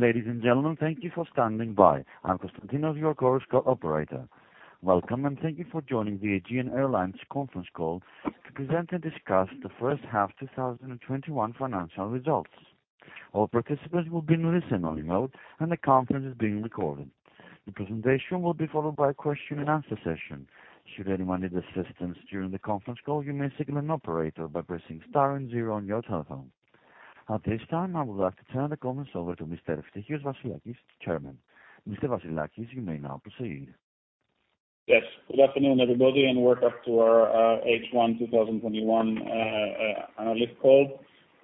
Ladies and gentlemen, thank you for standing by. I'm Constantinos, your Chorus Call operator. Welcome, and thank you for joining the Aegean Airlines conference call to present and discuss the first half 2021 financial results. All participants will be in listen-only mode, and the conference is being recorded. The presentation will be followed by a question-and-answer session. Should anyone need assistance during the conference call, you may signal an operator by pressing star and zero on your telephone. At this time, I would like to turn the conference over to Mr. Eftichios Vassilakis, Chairman. Mr. Vassilakis, you may now proceed. Yes. Good afternoon, everybody, and welcome to our H1 2021 analyst call.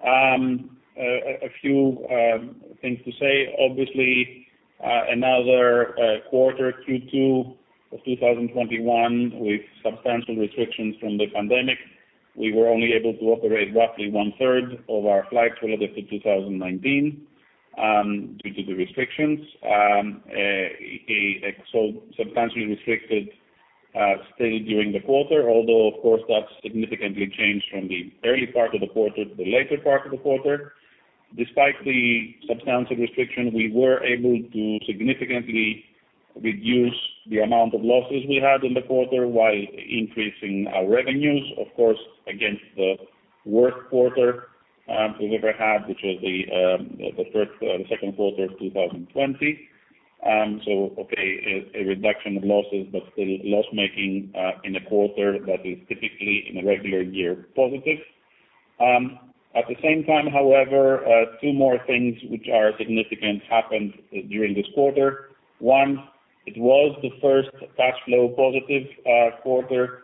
A few things to say. Obviously, another quarter, Q2 of 2021, with substantial restrictions from the pandemic. We were only able to operate roughly one-third of our flights relative to 2019 due to the restrictions. A substantially restricted state during the quarter, although, of course, that significantly changed from the early part of the quarter to the later part of the quarter. Despite the substantial restriction, we were able to significantly reduce the amount of losses we had in the quarter while increasing our revenues, of course, against the worst quarter we've ever had, which was the second quarter of 2020. Okay, a reduction of losses, but still loss-making in a quarter that is typically, in a regular year, positive. At the same time, however, two more things which are significant happened during this quarter. One, it was the first cash flow positive quarter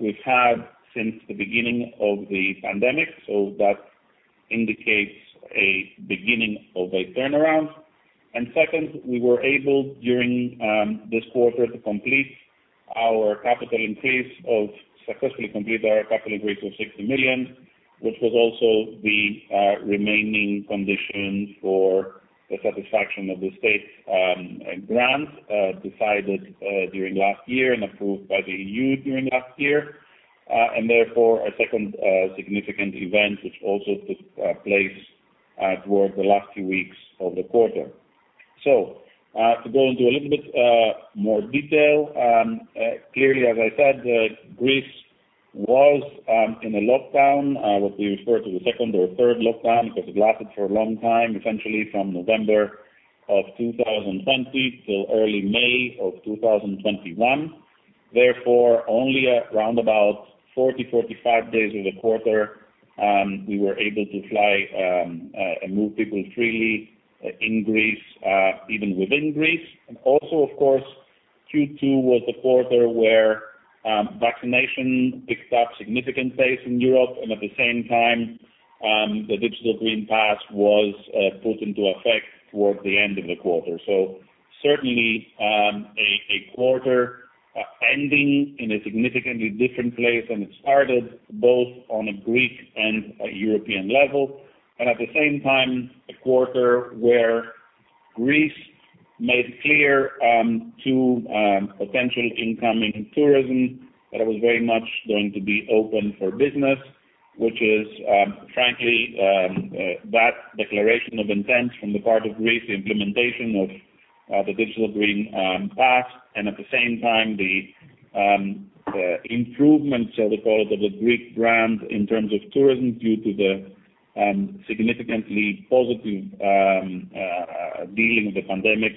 we've had since the beginning of the pandemic, that indicates a beginning of a turnaround. Second, we were able, during this quarter, to successfully complete our capital increase of 60 million, which was also the remaining condition for the satisfaction of the state grant decided during last year and approved by the E.U. during last year and therefore, a second significant event, which also took place towards the last few weeks of the quarter. To go into a little bit more detail. Clearly, as I said, Greece was in a lockdown, what we refer to the second or third lockdown because it lasted for a long time, essentially from November of 2020 till early May of 2021. Therefore, only around about 40, 45 days of the quarter we were able to fly and move people freely in Greece even within Greece. Also, of course, Q2 was the quarter where vaccination picked up significant pace in Europe, and at the same time, the Digital Green Pass was put into effect towards the end of the quarter. Certainly, a quarter ending in a significantly different place than it started, both on a Greek and a European level, and at the same time, a quarter where Greece made clear to potential incoming tourism that it was very much going to be open for business, which is frankly, that declaration of intent from the part of Greece, the implementation of the Digital Green Pass, and at the same time, the improvements, shall we call it, of the Greek brand in terms of tourism due to the significantly positive dealing of the pandemic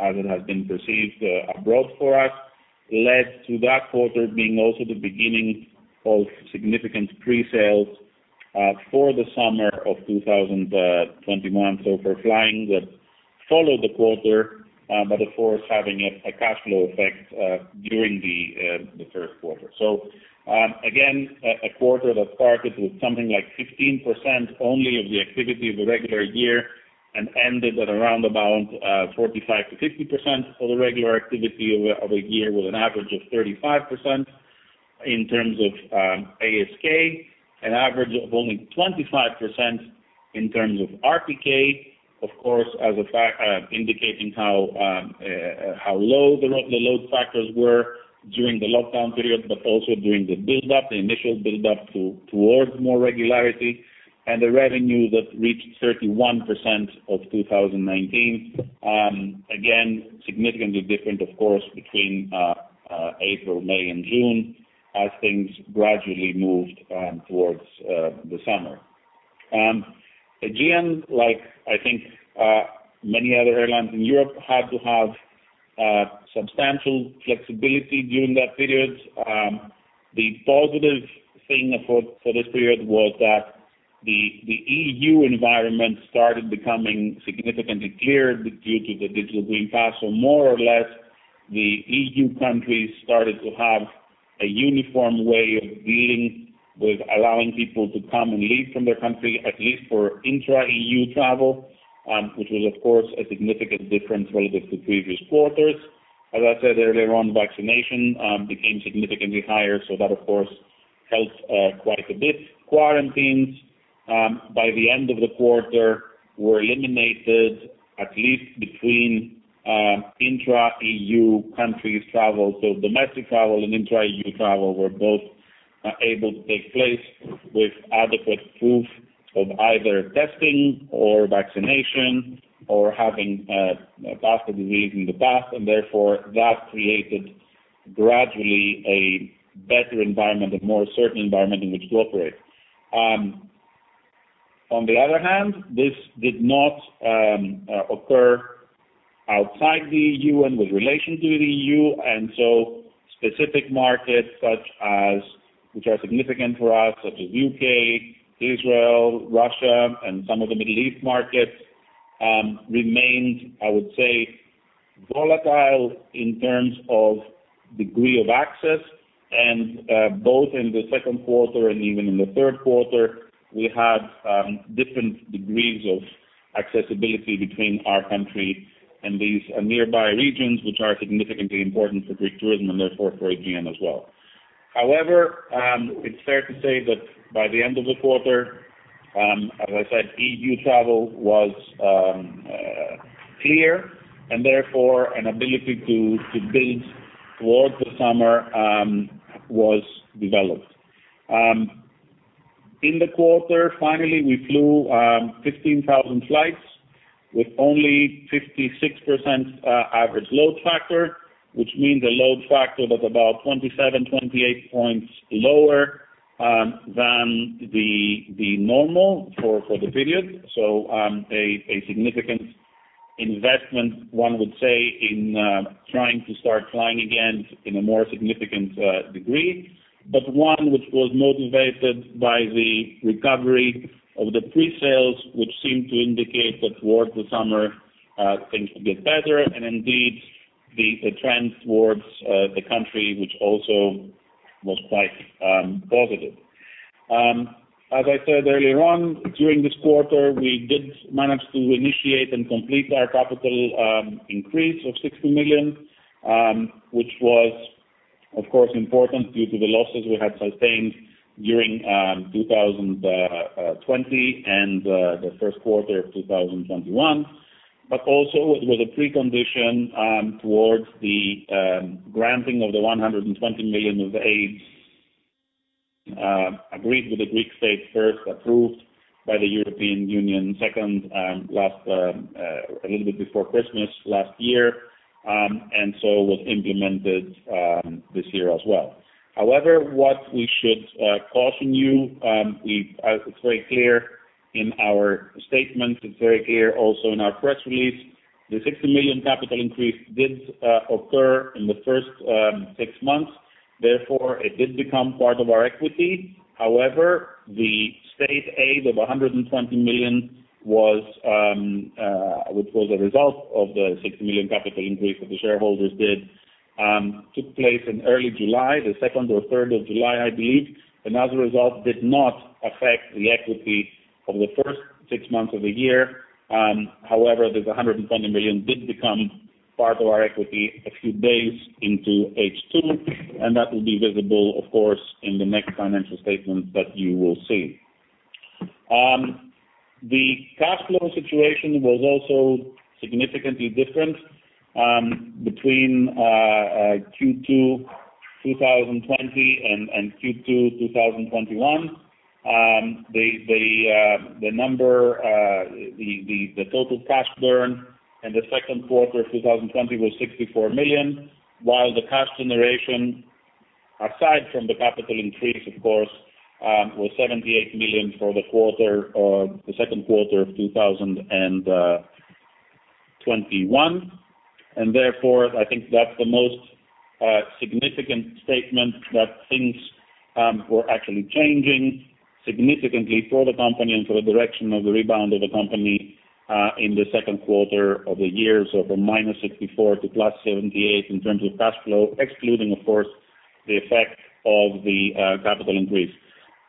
as it has been perceived abroad for us, led to that quarter being also the beginning of significant pre-sales for the summer of 2021. For flying that followed the quarter but of course, having a cash flow effect during the first quarter. Again, a quarter that started with something like 15% only of the activity of a regular year and ended at around about 45%-50% of the regular activity of a year with an average of 35% in terms of ASK, an average of only 25% in terms of RPK. Of course, as a fact indicating how low the load factors were during the lockdown period, but also during the build-up, the initial build-up towards more regularity and the revenue that reached 31% of 2019. Again, significantly different, of course, between April, May, and June as things gradually moved towards the summer. Aegean, like I think many other airlines in Europe, had to have substantial flexibility during that period. The positive thing for this period was that the E.U. environment started becoming significantly cleared due to the Digital Green Pass. More or less, the E.U. countries started to have a uniform way of dealing with allowing people to come and leave from their country, at least for intra-E.U. travel which was, of course, a significant difference relative to previous quarters. As I said earlier on, vaccination became significantly higher, so that of course, helped quite a bit. Quarantines, by the end of the quarter, were eliminated at least between intra-E.U. countries travel. Domestic travel and intra-E.U. travel were both able to take place with adequate proof of either testing or vaccination or having passed the disease in the past and therefore that created gradually a better environment, a more certain environment in which to operate. On the other hand, this did not occur outside the E.U. and with relation to the E.U. and specific markets which are significant for us such as U.K., Israel, Russia and some of the Middle East markets remained, I would say, volatile in terms of degree of access and both in the second quarter and even in the third quarter, we had different degrees of accessibility between our country and these nearby regions which are significantly important for Greek tourism and therefore for Aegean as well. However, it's fair to say that by the end of the quarter, as I said, E.U. travel was clear and therefore an ability to build towards the summer was developed. In the quarter, finally, we flew 15,000 flights with only 56% average load factor. Which means a load factor that's about 27, 28 points lower than the normal for the period. A significant investment one would say in trying to start flying again in a more significant degree, one which was motivated by the recovery of the pre-sales which seemed to indicate that towards the summer things would get better and indeed the trend towards the country which also was quite positive. As I said earlier on, during this quarter we did manage to initiate and complete our capital increase of 60 million which was of course important due to the losses we had sustained during 2020 and the first quarter of 2021, but also it was a precondition towards the granting of the 120 million of aids agreed with the Greek state first, approved by the European Union second, a little bit before Christmas last year and so was implemented this year as well. However, what we should caution you, it's very clear in our statement, it's very clear also in our press release, the 60 million capital increase did occur in the first six months therefore it did become part of our equity. However, the state aid of 120 million which was a result of the 60 million capital increase that the shareholders did took place in early July, the 2nd or 3rd of July I believe and as a result did not affect the equity of the first six months of the year. However, the 120 million did become part of our equity a few days into H2 and that will be visible of course in the next financial statement that you will see. The cash flow situation was also significantly different between Q2 2020 and Q2 2021. The total cash burn in the second quarter of 2020 was 64 million while the cash generation aside from the capital increase of course was 78 million for the second quarter of 2021. Therefore, I think that's the most significant statement that things were actually changing significantly for the company and for the direction of the rebound of the company in the second quarter of the year so from -64 to +78 in terms of cash flow excluding of course the effect of the capital increase.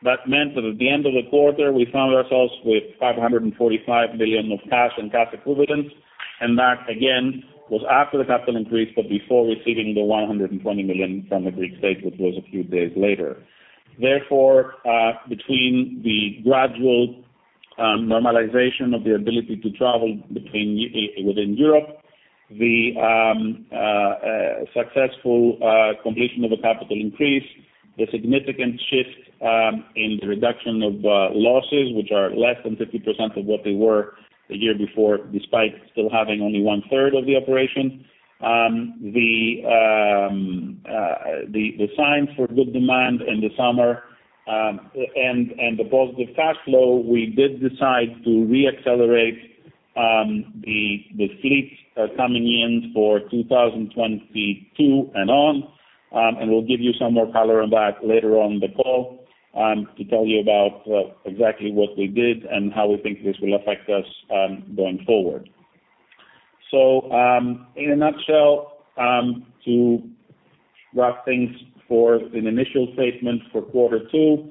That meant that at the end of the quarter we found ourselves with 545 million of cash and cash equivalents and that again was after the capital increase but before receiving the 120 million from the Greek state which was a few days later. Therefore, between the gradual normalization of the ability to travel within Europe, the successful completion of the capital increase, the significant shift in the reduction of losses which are less than 50% of what they were the year before despite still having only one-third of the operation. The signs for good demand in the summer and the positive cash flow we did decide to re-accelerate the fleet coming in for 2022 and on and we'll give you some more color on that later on in the call to tell you about exactly what we did and how we think this will affect us going forward. In a nutshell, to wrap things for an initial statement for quarter two,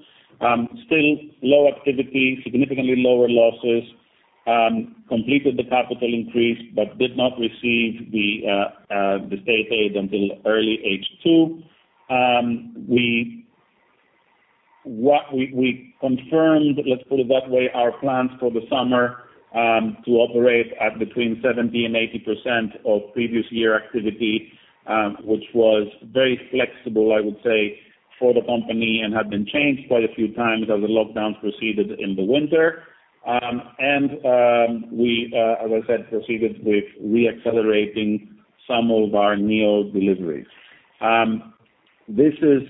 still low activity, significantly lower losses, completed the capital increase but did not receive the state aid until early H2. What we confirmed, let's put it that way, our plans for the summer, to operate at between 70% and 80% of previous year activity, which was very flexible, I would say, for the company and had been changed quite a few times as the lockdowns proceeded in the winter. We, as I said, proceeded with re-accelerating some of our neo deliveries. This is,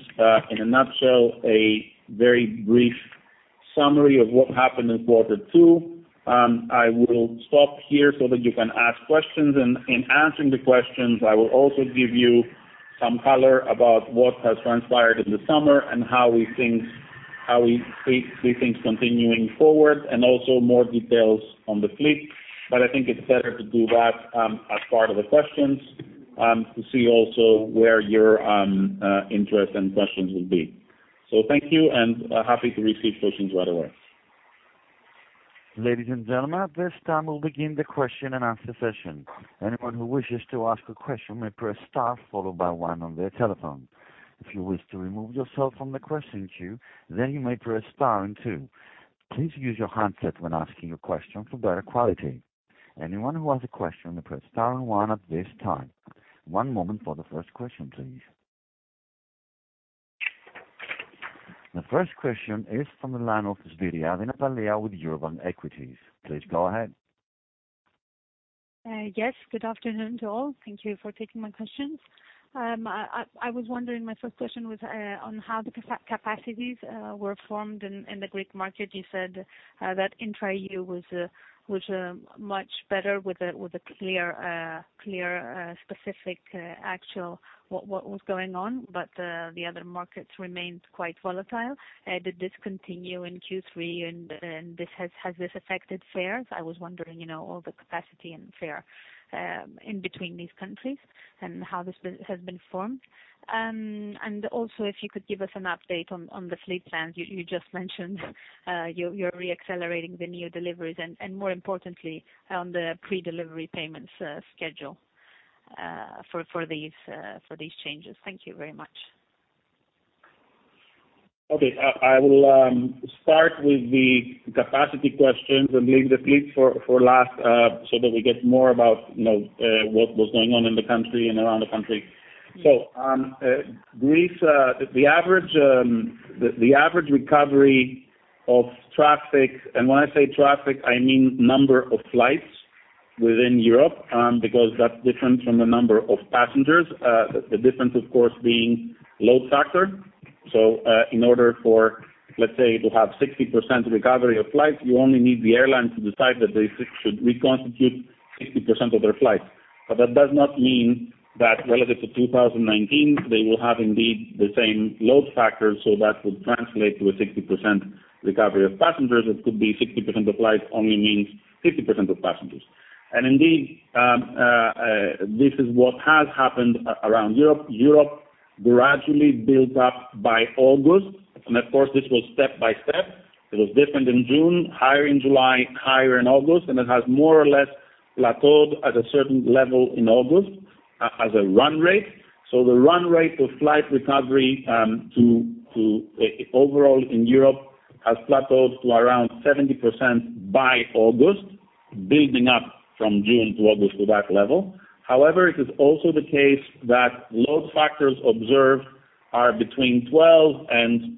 in a nutshell, a very brief summary of what happened in Q2. I will stop here so that you can ask questions, and in answering the questions, I will also give you some color about what has transpired in the summer and how we see things continuing forward, and also more details on the fleet. I think it's better to do that as part of the questions, to see also where your interest and questions will be. Thank you, and happy to receive questions right away. Ladies and gentlemen, at this time we'll begin the question and answer session. Anyone who wishes to ask a question may press star followed by one on their telephone. If you wish to remove yourself from the question queue, then you may press star and two. Please use your handset when asking a question for better quality. Anyone who has a question may press star and one at this time. One moment for the first question, please. The first question is from the line of Natalia Svyriadi with Eurobank Equities. Please go ahead. Yes, good afternoon to all. Thank you for taking my questions. I was wondering, my first question was on how the capacities were formed in the Greek market. You said that intra-E.U. was much better with a clear, specific, actual, what was going on, but the other markets remained quite volatile. Did this continue in Q3 and has this affected fares? I was wondering, all the capacity and fare in between these countries and how this has been formed. Also if you could give us an update on the fleet plans you just mentioned, you're re-accelerating the new deliveries and more importantly on the pre-delivery payments schedule for these changes. Thank you very much. Okay. I will start with the capacity questions and leave the fleet for last, so that we get more about what was going on in the country and around the country. Yes. Greece the average recovery of traffic, and when I say traffic, I mean number of flights within Europe, because that's different from the number of passengers. The difference, of course, being load factor. In order for, let's say, to have 60% recovery of flights, you only need the airline to decide that they should reconstitute 60% of their flights. That does not mean that relative to 2019, they will have indeed the same load factor, so that would translate to a 60% recovery of passengers. It could be 60% of flights only means 50% of passengers. Indeed, this is what has happened around Europe. Europe gradually built up by August, and of course, this was step by step. It was different in June, higher in July, higher in August, and it has more or less plateaued at a certain level in August as a run rate. The run rate of flight recovery overall in Europe has plateaued to around 70% by August, building up from June to August to that level. However, it is also the case that load factors observed are between 12 and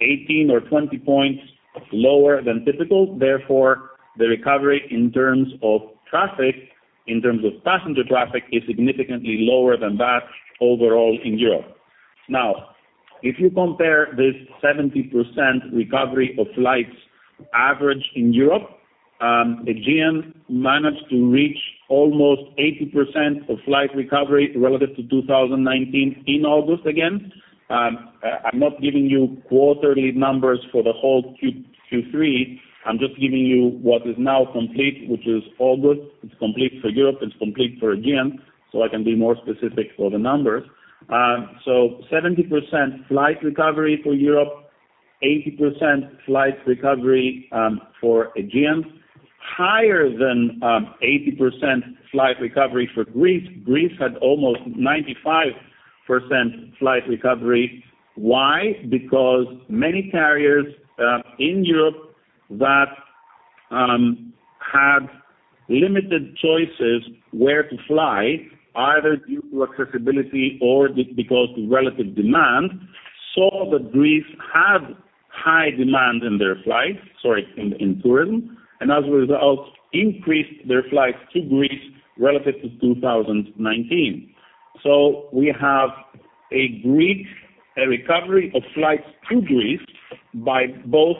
18 or 20 points lower than typical. The recovery in terms of traffic, in terms of passenger traffic is significantly lower than that overall in Europe. If you compare this 70% recovery of flights average in Europe, Aegean managed to reach almost 80% of flight recovery relative to 2019 in August again. I'm not giving you quarterly numbers for the whole Q3. I'm just giving you what is now complete, which is August. It's complete for Europe, it's complete for Aegean, so I can be more specific for the numbers. 70% flight recovery for Europe, 80% flight recovery for Aegean, higher than 80% flight recovery for Greece. Greece had almost 95% flight recovery. Why? Because many carriers in Europe that had limited choices where to fly, either due to accessibility or because the relative demand, saw that Greece had high demand in their flights, sorry, in tourism, and as a result, increased their flights to Greece relative to 2019. We have a recovery of flights to Greece by both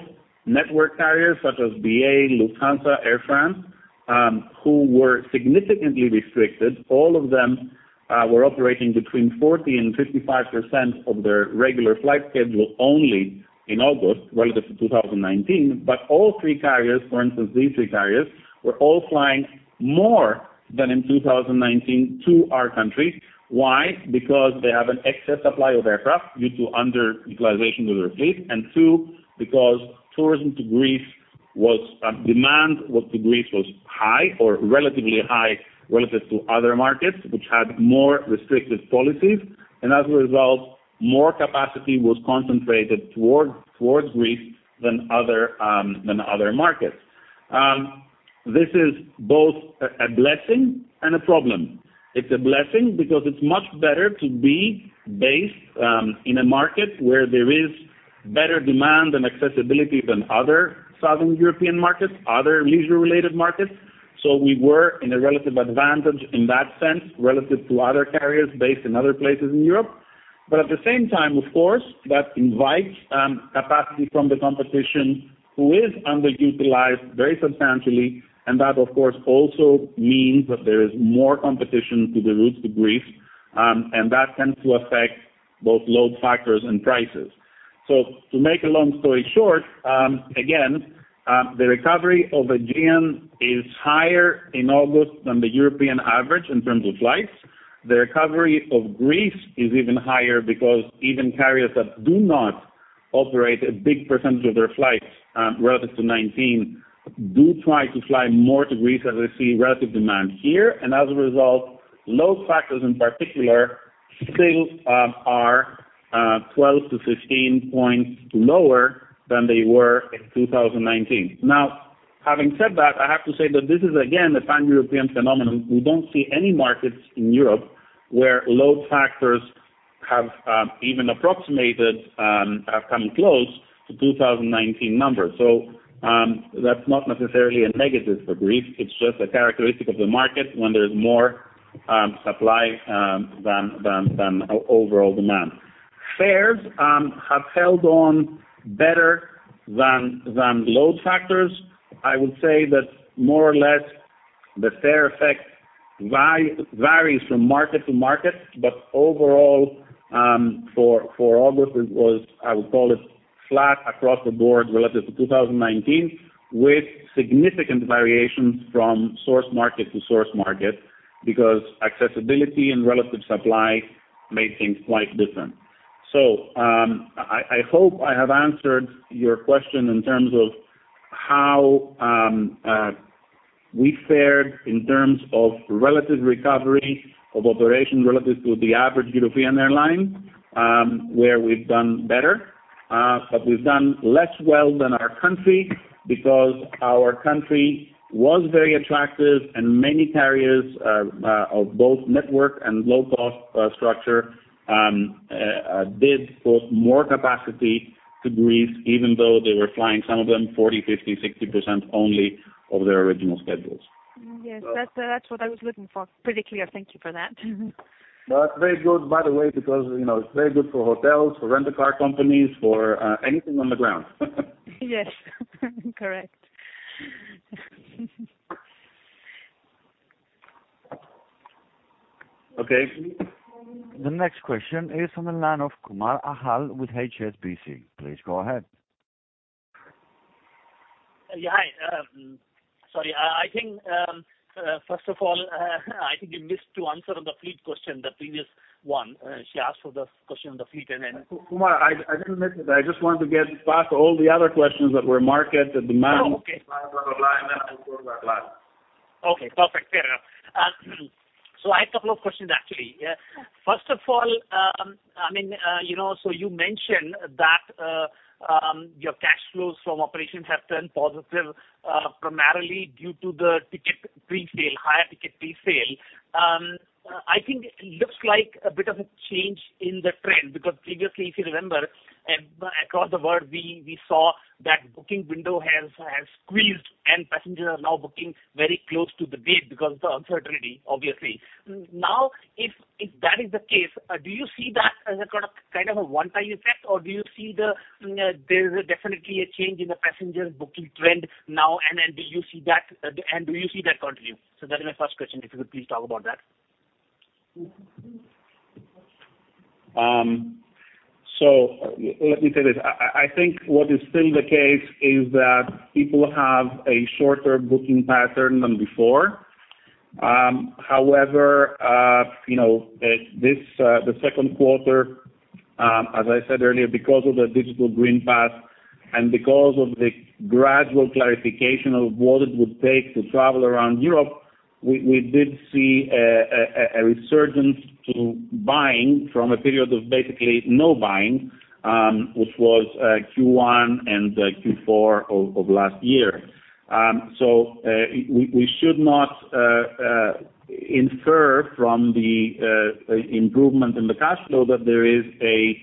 network carriers such as BA, Lufthansa, Air France who were significantly restricted. All of them were operating between 40% and 55% of their regular flight schedule only in August relative to 2019. All three carriers, for instance, these three carriers, were all flying more than in 2019 to our country. Why? Because they have an excess supply of aircraft due to underutilization of their fleet and two, because tourism to Greece was demand to Greece was high or relatively high relative to other markets which had more restrictive policies, and as a result, more capacity was concentrated towards Greece than other markets. This is both a blessing and a problem. It's a blessing because it's much better to be based in a market where there is better demand and accessibility than other southern European markets, other leisure-related markets. We were in a relative advantage in that sense relative to other carriers based in other places in Europe. At the same time, of course, that invites capacity from the competition who is underutilized very substantially, and that, of course, also means that there is more competition to the routes to Greece, and that tends to affect both load factors and prices. To make a long story short, again, the recovery of Aegean is higher in August than the European average in terms of flights. The recovery of Greece is even higher because even carriers that do not operate a big percentage of their flights relative to 2019 do try to fly more to Greece as they see relative demand here. As a result, load factors in particular still are 12-15 points lower than they were in 2019. Having said that, I have to say that this is again a pan-European phenomenon. We don't see any markets in Europe where load factors have even approximated, have come close to 2019 numbers. That's not necessarily a negative for Greece. It's just a characteristic of the market when there's more supply than overall demand. Fares have held on better than load factors. I would say that more or less the fare effect varies from market to market. Overall, for August, it was, I would call it flat across the board relative to 2019, with significant variations from source market to source market because accessibility and relative supply made things quite different. I hope I have answered your question in terms of how we fared in terms of relative recovery of operation relative to the average European airline where we've done better. We've done less well than our country because our country was very attractive and many carriers of both network and low-cost structure did put more capacity to Greece, even though they were flying, some of them, 40%, 50%, 60% only of their original schedules. Yes. That's what I was looking for. Pretty clear. Thank you for that. That's very good, by the way, because it's very good for hotels, for rent-a-car companies, for anything on the ground. Yes. Correct. Okay. The next question is from the line of Achal Kumar with HSBC. Please go ahead. Yeah. Hi. Sorry. First of all, I think you missed to answer on the fleet question, the previous one. She asked for the question on the fleet. Kumar, I didn't miss it. I just wanted to get back to all the other questions that were market and demand- Oh, okay. -supply, blah, blah. I'll circle back last. Okay. Perfect. Fair enough. I have two questions, actually. Yeah. First of all, you mentioned that your cash flows from operations have turned positive primarily due to the ticket pre-sale, higher ticket pre-sale. I think it looks like a bit of a change in the trend because previously, if you remember, across the board, we saw that booking window has squeezed and passengers are now booking very close to the date because of the uncertainty, obviously. If that is the case, do you see that as a kind of a one-time effect, or do you see there's definitely a change in the passenger booking trend now, and do you see that continue? That is my first question, if you could please talk about that. Let me say this. I think what is still the case is that people have a shorter booking pattern than before. However, the second quarter, as I said earlier, because of the Digital Green Pass and because of the gradual clarification of what it would take to travel around Europe, we did see a resurgence to buying from a period of basically no buying which was Q1 and Q4 of last year. We should not infer from the improvement in the cash flow that there is a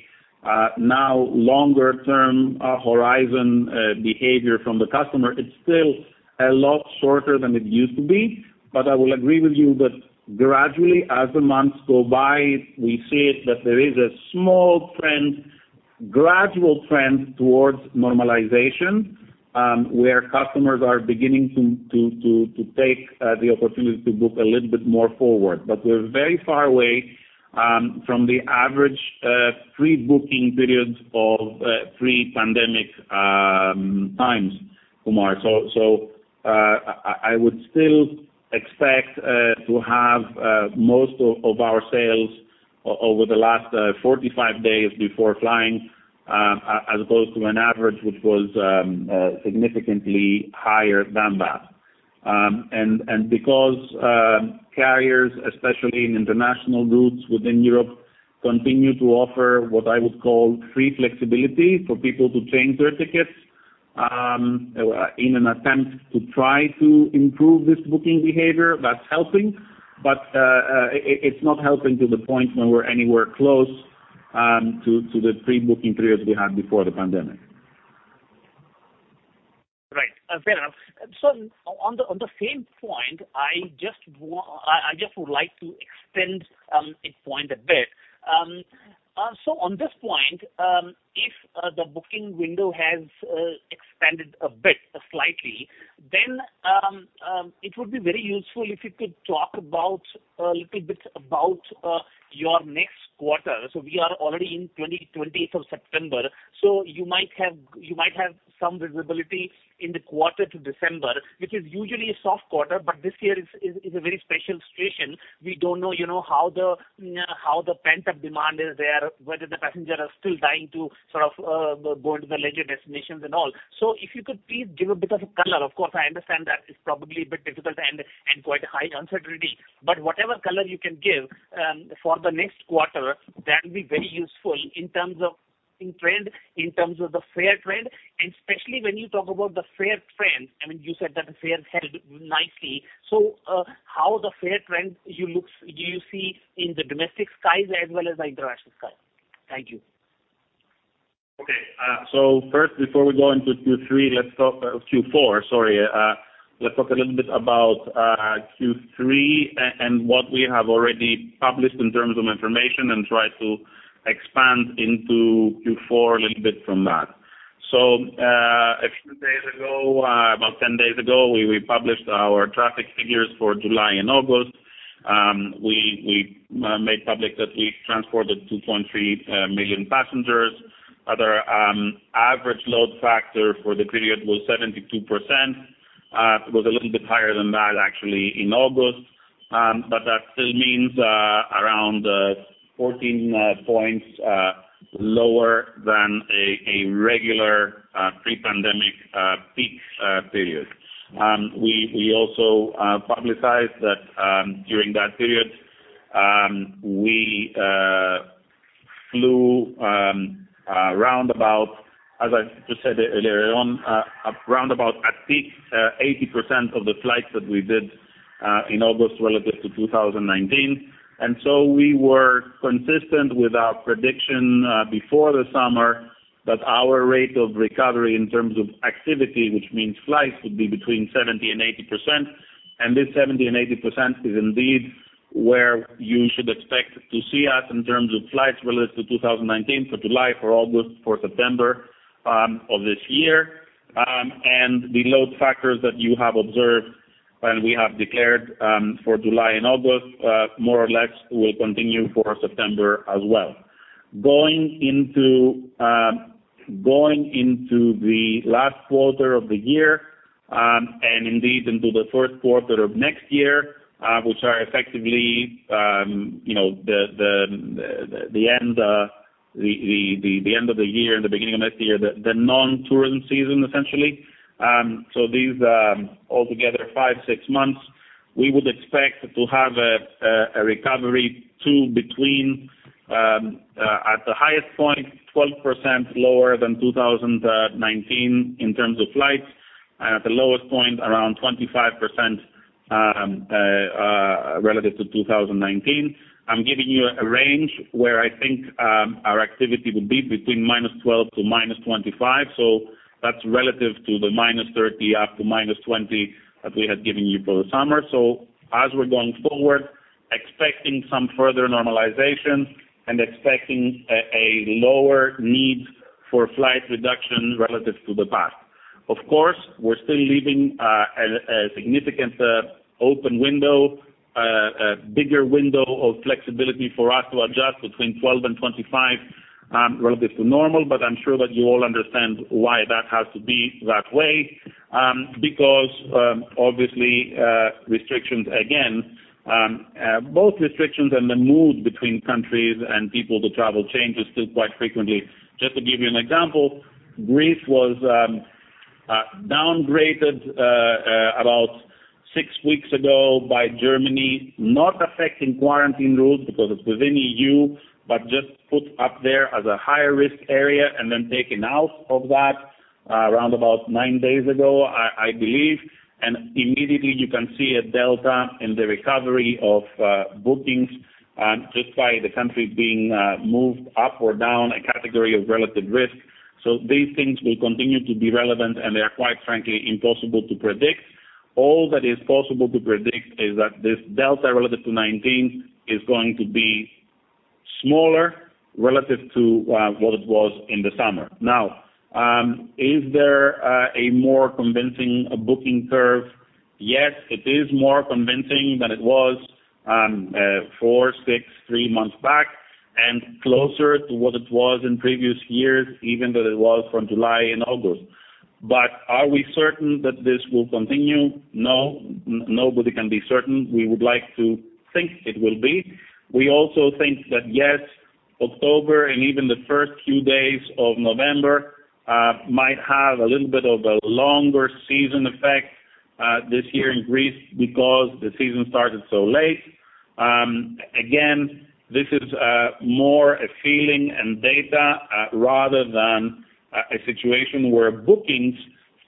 now longer-term horizon behavior from the customer. It is still a lot shorter than it used to be. But I will agree with you that gradually, as the months go by, we see it that there is a small trend, gradual trend towards normalization where customers are beginning to take the opportunity to book a little bit more forward. We're very far away from the average pre-booking periods of pre-pandemic times, Kumar. I would still expect to have most of our sales over the last 45 days before flying, as opposed to an average which was significantly higher than that. Because carriers, especially in international routes within Europe, continue to offer what I would call free flexibility for people to change their tickets in an attempt to try to improve this booking behavior, that's helping, but it's not helping to the point where we're anywhere close to the pre-booking periods we had before the pandemic. Right. Fair enough. On the same point, I just would like to extend this point a bit. On this point, if the booking window has expanded a bit, slightly, then it would be very useful if you could talk a little bit about your next quarter. We are already in 2020, 8th of September, so you might have some visibility in the quarter to December, which is usually a soft quarter, but this year is a very special situation. We don't know how the pent-up demand is there, whether the passengers are still dying to go to the leisure destinations and all. If you could please give a bit of color. Of course, I understand that it's probably a bit difficult and quite a high uncertainty, but whatever color you can give for the next quarter, that will be very useful in terms of booking trend, in terms of the fare trend, and especially when you talk about the fare trend, you said that the fare held nicely. How the fare trend do you see in the domestic skies as well as international skies? Thank you. First, before we go into Q3, Q4, sorry, let's talk a little bit about Q3 and what we have already published in terms of information and try to expand into Q4 a little bit from that. A few days ago, about 10 days ago, we published our traffic figures for July and August. We made public that we transported 2.3 million passengers. Our average load factor for the period was 72%, was a little bit higher than that actually in August. That still means around 14 points lower than a regular pre-pandemic peak period. We also publicized that during that period, we flew round about at peak, 80% of the flights that we did in August relative to 2019. We were consistent with our prediction before the summer that our rate of recovery in terms of activity, which means flights, would be between 70% and 80%. This 70% and 80% is indeed where you should expect to see us in terms of flights relative to 2019 for July, for August, for September of this year. The load factors that you have observed and we have declared for July and August, more or less, will continue for September as well. Going into the last quarter of the year, and indeed into the first quarter of next year, which are effectively the end of the year and the beginning of next year, the non-tourism season, essentially. These altogether five, six months, we would expect to have a recovery to between, at the highest point, 12% lower than 2019 in terms of flights, and at the lowest point, around 25% relative to 2019. I'm giving you a range where I think our activity will be between -12% to -25%, that's relative to the -30% up to -20% that we had given you for the summer. As we're going forward, expecting some further normalization and expecting a lower need for flight reduction relative to the past. Of course, we're still leaving a significant open window, a bigger window of flexibility for us to adjust between 12% and 25% relative to normal, but I'm sure that you all understand why that has to be that way. Because obviously, restrictions, again, both restrictions and the mood between countries and people to travel changes still quite frequently. Just to give you an example, Greece was downgraded about six weeks ago by Germany, not affecting quarantine rules because it's within E.U., but just put up there as a higher risk area and then taken out of that around about nine days ago, I believe. Immediately you can see a delta in the recovery of bookings, just by the country being moved up or down a category of relative risk. These things will continue to be relevant, and they are, quite frankly, impossible to predict. All that is possible to predict is that this delta relative to '19 is going to be smaller relative to what it was in the summer. Now, is there a more convincing booking curve? Yes, it is more convincing than it was four, six, three months back, and closer to what it was in previous years, even though it was from July and August. Are we certain that this will continue? No. Nobody can be certain. We would like to think it will be. We also think that yes, October and even the first few days of November might have a little bit of a longer season effect this year in Greece because the season started so late. Again, this is more a feeling and data rather than a situation where bookings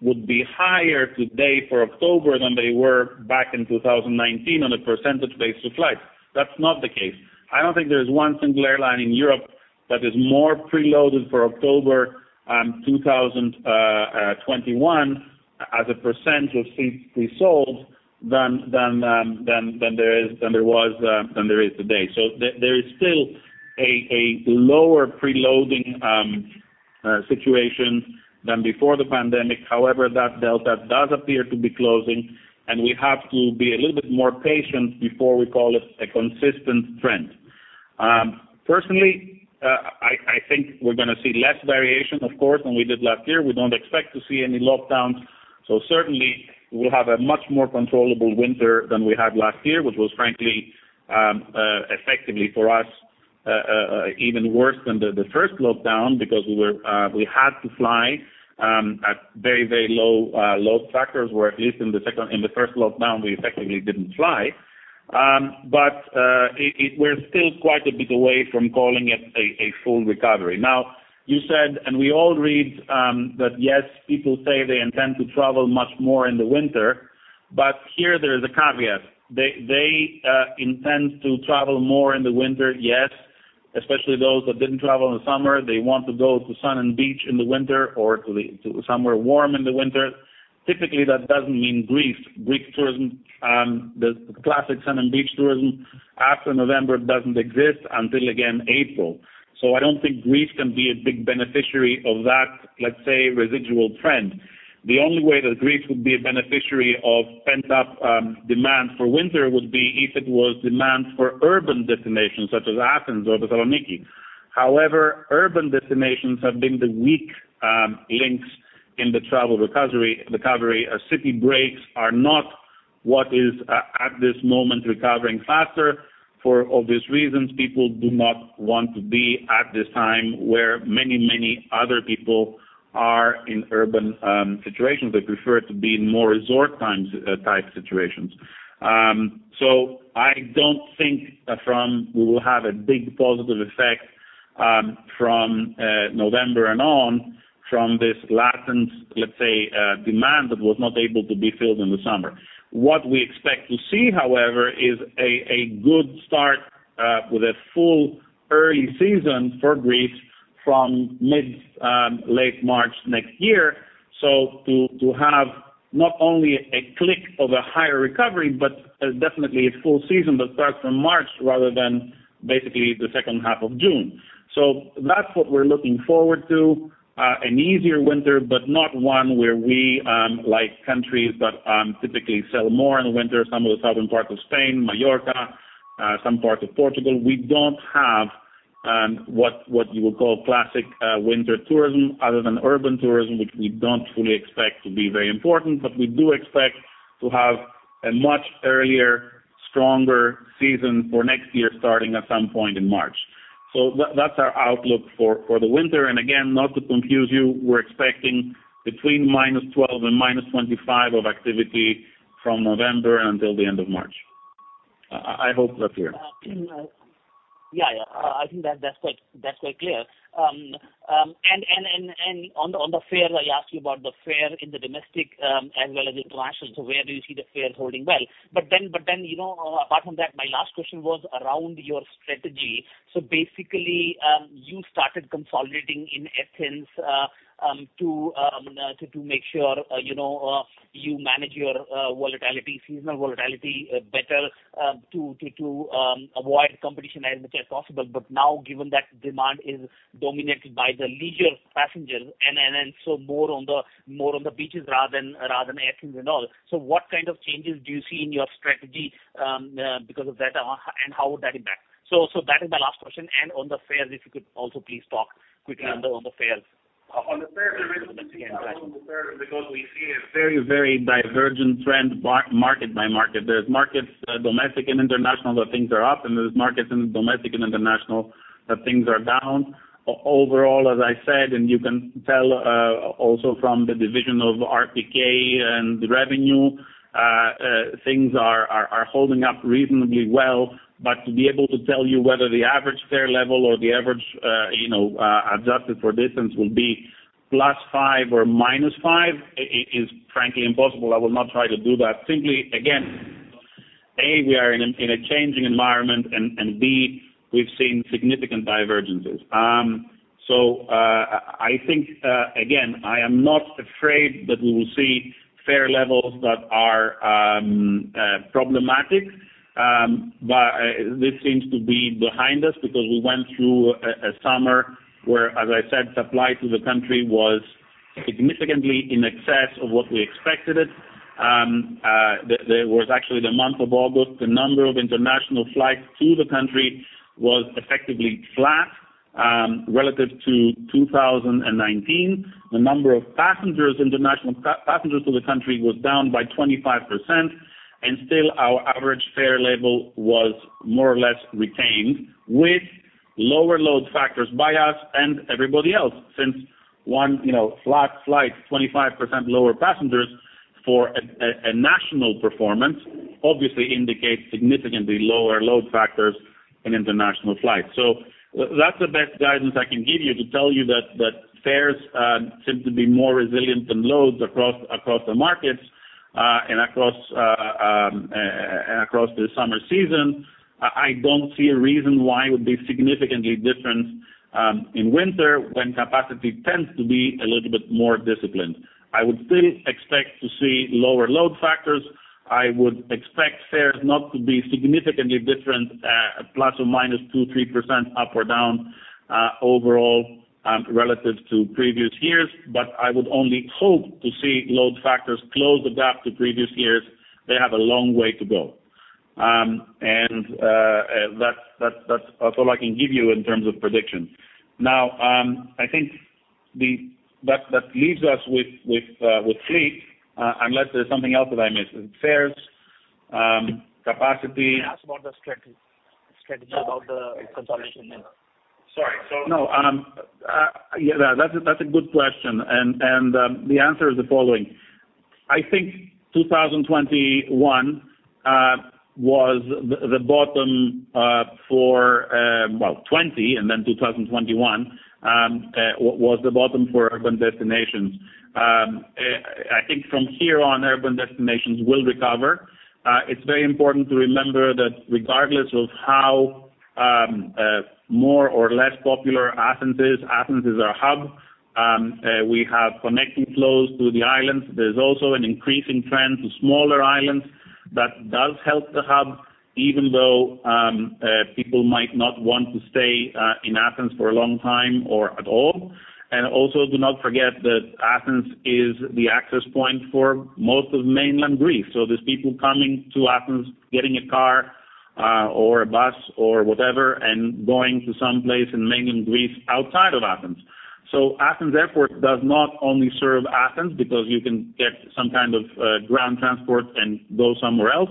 would be higher today for October than they were back in 2019 on a percentage basis flight. That's not the case. I don't think there's one single airline in Europe that is more pre-loaded for October 2021 as a % of seats pre-sold than there is today. There is still a lower pre-loading situation than before the pandemic. However, that delta does appear to be closing, and we have to be a little bit more patient before we call it a consistent trend. Personally, I think we're going to see less variation, of course, than we did last year. We don't expect to see any lockdowns. Certainly we'll have a much more controllable winter than we had last year, which was frankly, effectively for us even worse than the first lockdown because we had to fly at very low load factors, where at least in the first lockdown, we effectively didn't fly. We're still quite a bit away from calling it a full recovery. Now, you said, and we all read that yes, people say they intend to travel much more in the winter, but here there is a caveat. They intend to travel more in the winter, yes, especially those that didn't travel in the summer. They want to go to sun and beach in the winter or to somewhere warm in the winter. Typically, that doesn't mean Greece. Greek tourism, the classic sun and beach tourism after November doesn't exist until again April. I don't think Greece can be a big beneficiary of that, let's say, residual trend. The only way that Greece would be a beneficiary of pent-up demand for winter would be if it was demand for urban destinations such as Athens or Thessaloniki. However, urban destinations have been the weak links in the travel recovery. City breaks are not what is at this moment recovering faster. For obvious reasons, people do not want to be at this time where many other people are in urban situations. They prefer to be in more resort-type situations. I don't think we will have a big positive effect from November and on from this latent, let's say, demand that was not able to be filled in the summer. What we expect to see, however, is a good start with a full early season for Greece from mid, late March next year. To have not only a click of a higher recovery, but definitely a full season that starts from March rather than basically the second half of June. That's what we're looking forward to, an easier winter, but not one where we, like countries that typically sell more in the winter, some of the southern parts of Spain, Majorca, some parts of Portugal, we don't have what you would call classic winter tourism other than urban tourism, which we don't fully expect to be very important. We do expect to have a much earlier, stronger season for next year starting at some point in March. That's our outlook for the winter, and again, not to confuse you, we're expecting between -12% and -25% of activity from November until the end of March. I hope that's clear. Yeah. I think that's quite clear. On the fare, I asked you about the fare in the domestic as well as international. Where do you see the fares holding? Apart from that, my last question was around your strategy. Basically, you started consolidating in Athens to make sure you manage your seasonality volatility better to avoid competition as much as possible. Given that demand is dominated by the leisure passengers, more on the beaches rather than Athens and all. What kind of changes do you see in your strategy because of that, and how would that impact? That is my last question, and on the fares, if you could also please talk quickly on the fares. On the fares, there is nothing to say on the fares because we see a very divergent trend market by market. There's markets, domestic and international, that things are up, and there's markets in domestic and international that things are down. Overall, as I said, and you can tell also from the division of RPK and revenue, things are holding up reasonably well. To be able to tell you whether the average fare level or the average adjusted for distance will be plus five or minus five is frankly impossible. I will not try to do that. Simply, again, A, we are in a changing environment, and B, we've seen significant divergences. I think, again, I am not afraid that we will see fare levels that are problematic. This seems to be behind us because we went through a summer where, as I said, supply to the country was significantly in excess of what we expected it. There was actually the month of August, the number of international flights to the country was effectively flat. Relative to 2019, the number of international passengers to the country was down by 25%, and still our average fare level was more or less retained with lower load factors by us and everybody else. Since one flat flight, 25% lower passengers for a national performance obviously indicates significantly lower load factors in international flights. That's the best guidance I can give you to tell you that fares seem to be more resilient than loads across the markets and across the summer season. I don't see a reason why it would be significantly different in winter when capacity tends to be a little bit more disciplined. I would still expect to see lower load factors. I would expect fares not to be significantly different, ±2%, ±3% up or down overall relative to previous years. I would only hope to see load factors close back to previous years. They have a long way to go. That's all I can give you in terms of predictions. Now, I think that leaves us with fleet, unless there's something else that I'm missing. Fares, capacity. Can I ask about the strategy about the consolidation? Sorry. Yeah, that's a good question, and the answer is the following. I think 2020 and then 2021 was the bottom for urban destinations. I think from here on, urban destinations will recover. It's very important to remember that regardless of how more or less popular Athens is, Athens is our hub. We have connecting flows to the islands. There's also an increasing trend to smaller islands that does help the hub, even though people might not want to stay in Athens for a long time or at all. Also do not forget that Athens is the access point for most of Mainland Greece. There's people coming to Athens, getting a car or a bus or whatever, and going to some place in Mainland Greece outside of Athens. Athens Airport does not only serve Athens because you can get some kind of ground transport and go somewhere else,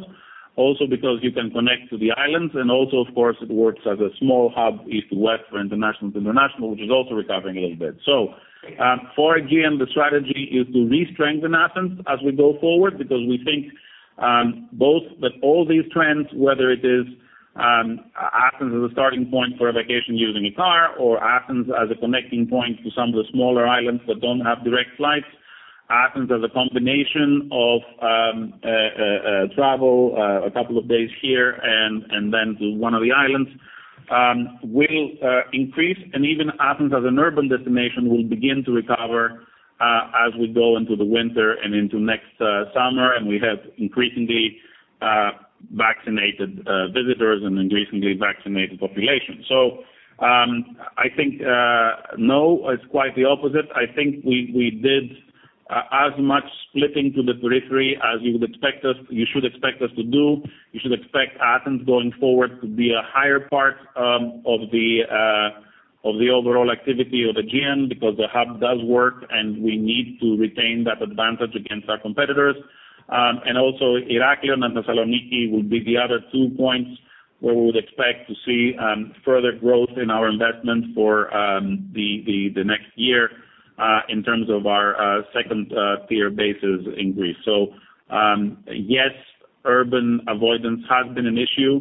also because you can connect to the islands, and also, of course, it works as a small hub, east to west for international to international, which is also recovering a little bit. For Aegean, the strategy is to re-strengthen Athens as we go forward because we think both that all these trends, whether it is Athens as a starting point for a vacation using a car or Athens as a connecting point to some of the smaller islands that don't have direct flights, Athens as a combination of travel, a couple of days here and then to one of the islands will increase. Even Athens as an urban destination will begin to recover as we go into the winter and into next summer, and we have increasingly vaccinated visitors and increasingly vaccinated population. I think no, it's quite the opposite. I think we did as much flipping to the periphery as you should expect us to do. You should expect Athens going forward to be a higher part of the overall activity of Aegean because the hub does work and we need to retain that advantage against our competitors. Also Heraklion and Thessaloniki will be the other two points where we would expect to see further growth in our investment for the next year in terms of our second tier bases in Greece. Yes, urban avoidance has been an issue,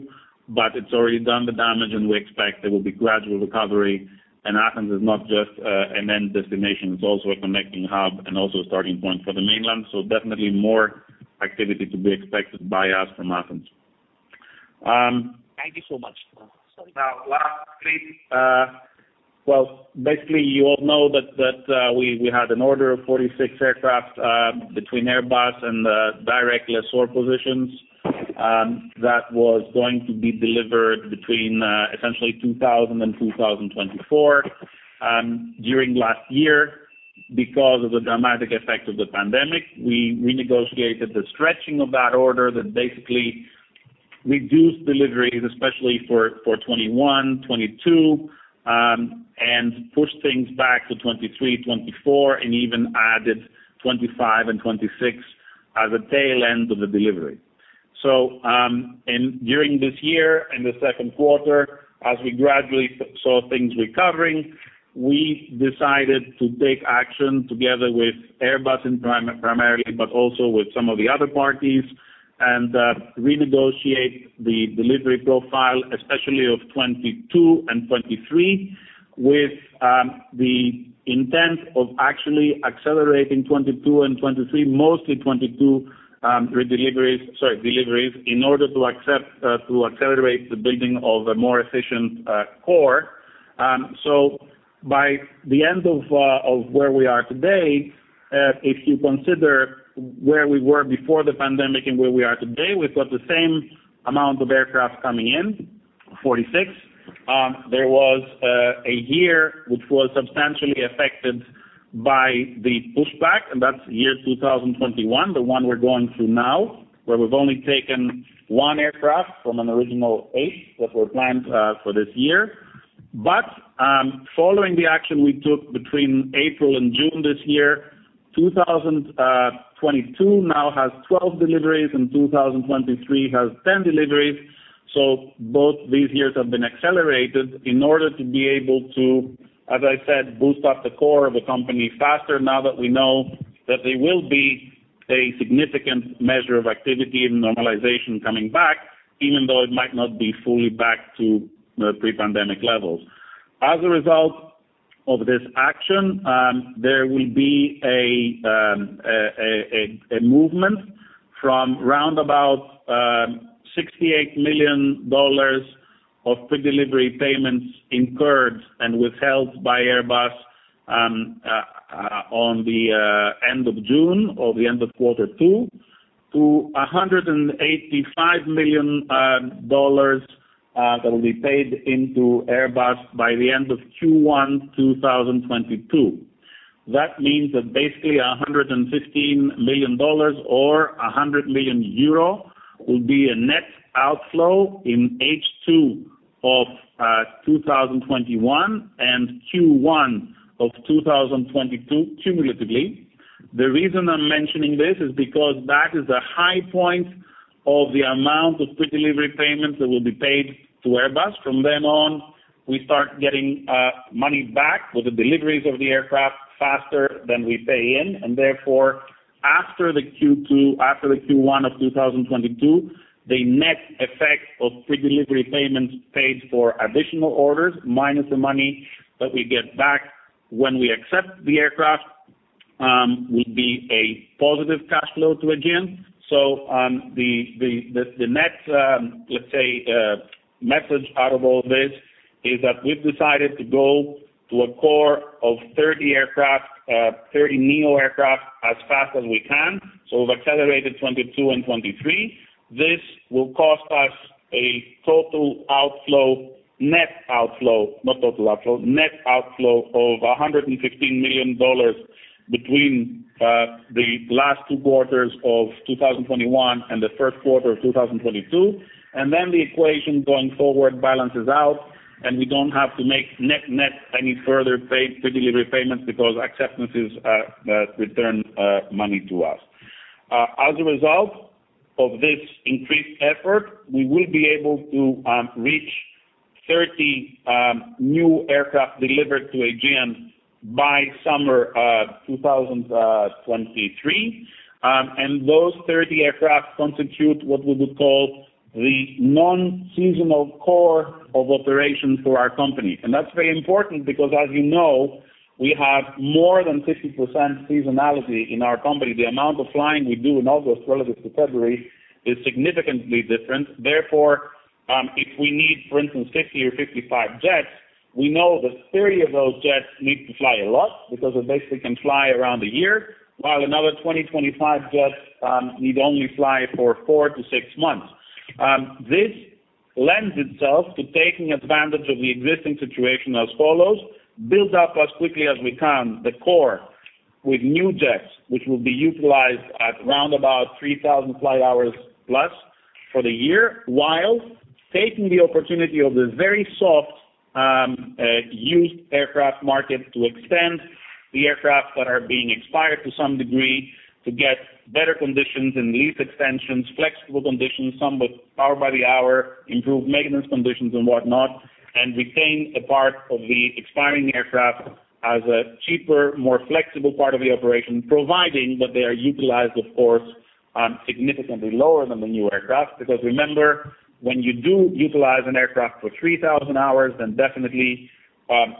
but it's already done the damage and we expect there will be gradual recovery. Athens is not just an end destination, it's also a connecting hub and also a starting point for the mainland. Definitely more activity to be expected by us from Athens. Thank you so much. Now lastly, well, basically you all know that we had an order of 46 aircraft between Airbus and the direct lessor positions that was going to be delivered between essentially 2000 and 2024. During last year, because of the dramatic effect of the pandemic, we renegotiated the stretching of that order that basically reduced deliveries especially for 2021, 2022 and pushed things back to 2023, 2024 and even added 2025 and 2026 as a tail end of the delivery. During this year in the second quarter, as we gradually saw things recovering, we decided to take action together with Airbus primarily, but also with some of the other parties and renegotiate the delivery profile especially of 2022 and 2023 with the intent of actually accelerating 2022 and 2023, mostly 2022 deliveries in order to accelerate the building of a more efficient core. By the end of where we are today, if you consider where we were before the pandemic and where we are today, we've got the same amount of aircraft coming in, 46. There was a year which was substantially affected by the pushback, and that's year 2021, the one we're going through now, where we've only taken one aircraft from an original eight that were planned for this year. Following the action we took between April and June this year, 2022 now has 12 deliveries, and 2023 has 10 deliveries. Both these years have been accelerated in order to be able to, as I said, boost up the core of the company faster now that we know that there will be a significant measure of activity and normalization coming back, even though it might not be fully back to the pre-pandemic levels. As a result of this action, there will be a movement from around about $68 million of pre-delivery payments incurred and withheld by Airbus on the end of June or the end of quarter two to $185 million that will be paid into Airbus by the end of Q1 2022. That means that basically, $115 million or 100 million euro will be a net outflow in H2 of 2021 and Q1 of 2022 cumulatively. The reason I'm mentioning this is because that is a high point of the amount of pre-delivery payments that will be paid to Airbus. From then on, we start getting money back with the deliveries of the aircraft faster than we pay in, and therefore, after the Q1 of 2022, the net effect of pre-delivery payments paid for additional orders, minus the money that we get back when we accept the aircraft, will be a positive cash flow to Aegean. The net, let's say, message out of all this is that we've decided to go to a core of 30 aircraft, 30 A320neo aircraft, as fast as we can. We've accelerated '22 and '23. This will cost us a total outflow, net outflow, not total outflow. Net outflow of $115 million between the last two quarters of 2021 and the first quarter of 2022. Then the equation going forward balances out, and we don't have to make net-net any further pre-delivery payments because acceptances return money to us. As a result of this increased effort, we will be able to reach 30 new aircraft delivered to Aegean by summer 2023. Those 30 aircraft constitute what we would call the non-seasonal core of operations for our company. That's very important because, as you know, we have more than 50% seasonality in our company. The amount of flying we do in August relative to February is significantly different. Therefore, if we need, for instance, 50 or 55 jets, we know that 30 of those jets need to fly a lot because they basically can fly around the year. While another 20, 25 jets need only fly for 4-6 months. This lends itself to taking advantage of the existing situation as follows. Build up as quickly as we can the core with new jets, which will be utilized at around about 3,000 flight hours plus for the year, while taking the opportunity of the very soft used aircraft market to extend the aircraft that are being expired to some degree to get better conditions and lease extensions, flexible conditions, some with power by the hour, improved maintenance conditions and whatnot, and retain a part of the expiring aircraft as a cheaper, more flexible part of the operation, providing that they are utilized, of course, significantly lower than the new aircraft. Remember, when you do utilize an aircraft for 3,000 hours, then definitely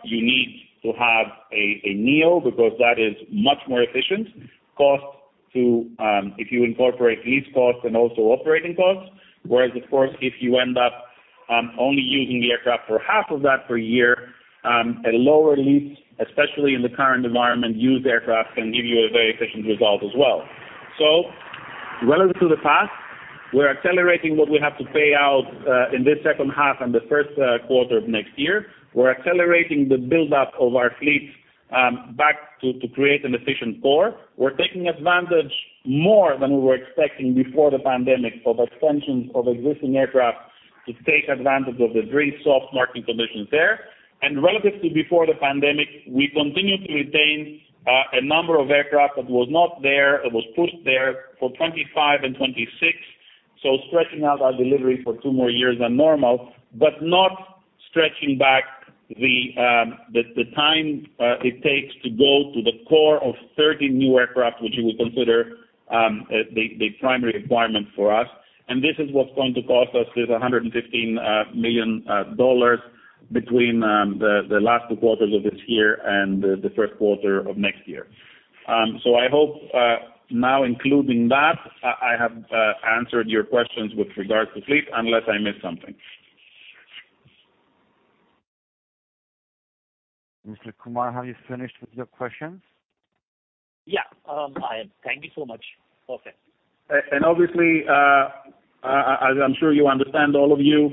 you need to have a A320neo because that is much more efficient cost to if you incorporate lease costs and also operating costs. If you end up Relative to the past, we're accelerating what we have to pay out in this second half and the first quarter of next year. We're accelerating the buildup of our fleet back to create an efficient core. We're taking advantage more than we were expecting before the pandemic of extensions of existing aircraft to take advantage of the very soft market conditions there. Relative to before the pandemic, we continue to retain a number of aircraft that was not there, that was pushed there for 2025 and 2026. Stretching out our delivery for two more years than normal, but not stretching back the time it takes to go to the core of 30 new aircraft, which you would consider the primary requirement for us. This is what's going to cost us this $115 million between the last two quarters of this year and the first quarter of next year. I hope now including that, I have answered your questions with regard to fleet, unless I missed something. Mr. Kumar, have you finished with your questions? Yeah. I am. Thank you so much. Okay. Obviously, as I'm sure you understand, all of you,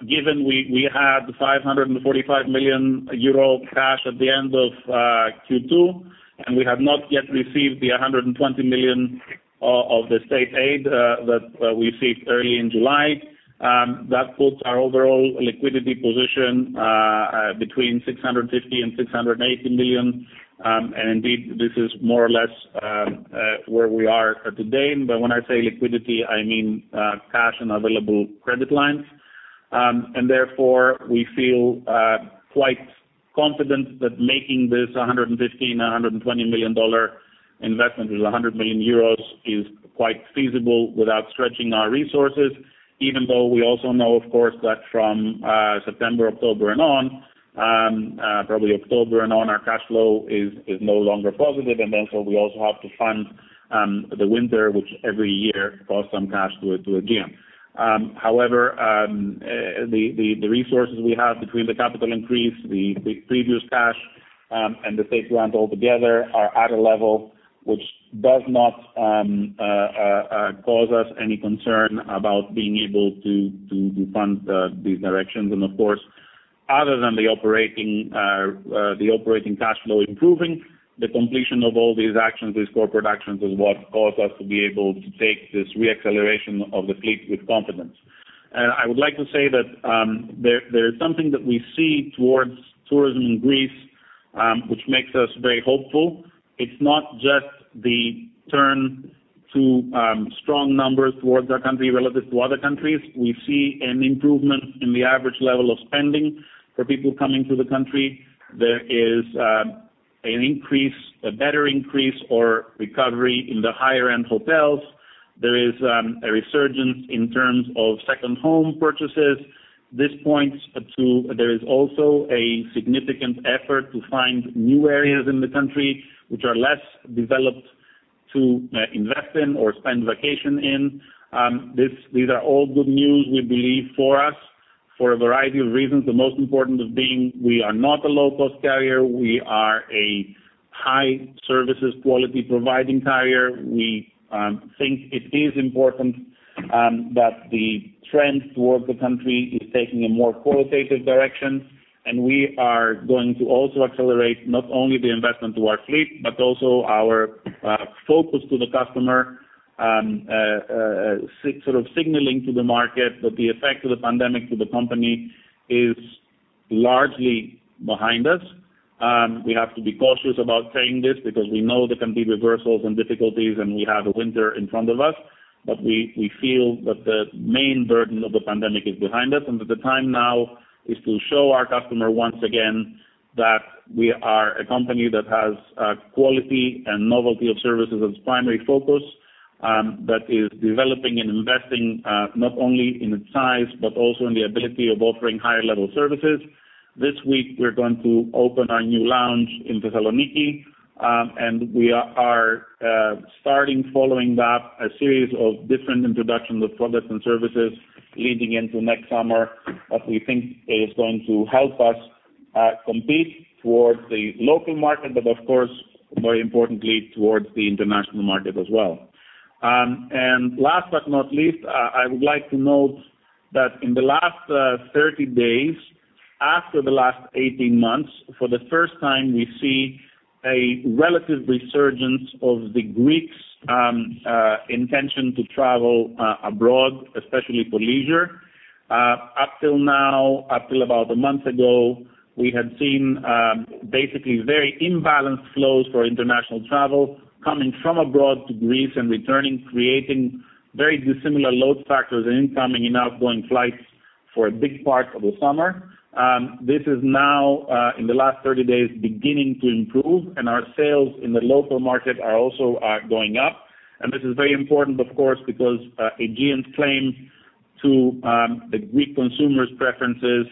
given we had 545 million euro cash at the end of Q2, we have not yet received the 120 million of the state aid that we received early in July, that puts our overall liquidity position between 650 million-680 million. Indeed, this is more or less where we are today. When I say liquidity, I mean cash and available credit lines. Therefore, we feel quite confident that making this $115 million-$120 million investment, which is 100 million euros, is quite feasible without stretching our resources, even though we also know, of course, that from September, October and on, probably October and on our cash flow is no longer positive. Therefore, we also have to fund the winter, which every year costs some cash to Aegean. However, the resources we have between the capital increase, the previous cash, and the state grant all together are at a level which does not cause us any concern about being able to fund these directions. Of course, other than the operating cash flow improving, the completion of all these actions, these corporate actions, is what caused us to be able to take this re-acceleration of the fleet with confidence. I would like to say that there is something that we see towards tourism in Greece, which makes us very hopeful. It's not just the turn to strong numbers towards our country relative to other countries. We see an improvement in the average level of spending for people coming to the country. There is a better increase or recovery in the higher-end hotels. There is a resurgence in terms of second home purchases. This points to there is also a significant effort to find new areas in the country which are less developed to invest in or spend vacation in. These are all good news, we believe, for us, for a variety of reasons, the most important of being we are not a low-cost carrier. We are a high services quality providing carrier. We think it is important that the trend towards the country is taking a more qualitative direction, and we are going to also accelerate not only the investment to our fleet, but also our focus to the customer, sort of signaling to the market that the effect of the pandemic to the company is largely behind us. We have to be cautious about saying this because we know there can be reversals and difficulties and we have a winter in front of us. We feel that the main burden of the pandemic is behind us, and that the time now is to show our customer once again that we are a company that has quality and novelty of services as its primary focus, that is developing and investing not only in its size, but also in the ability of offering higher level services. This week, we're going to open our new lounge in Thessaloniki, and we are starting following that a series of different introductions of products and services leading into next summer that we think is going to help us compete towards the local market, but of course, more importantly, towards the international market as well. Last but not least, I would like to note that in the last 30 days, after the last 18 months, for the first time, we see a relative resurgence of the Greeks' intention to travel abroad, especially for leisure. Up till now, up till about a month ago, we had seen basically very imbalanced flows for international travel coming from abroad to Greece and returning, creating very dissimilar load factors in incoming and outgoing flights for a big part of the summer. This is now, in the last 30 days, beginning to improve, and our sales in the local market are also going up. This is very important, of course, because Aegean's claim to the Greek consumers' preferences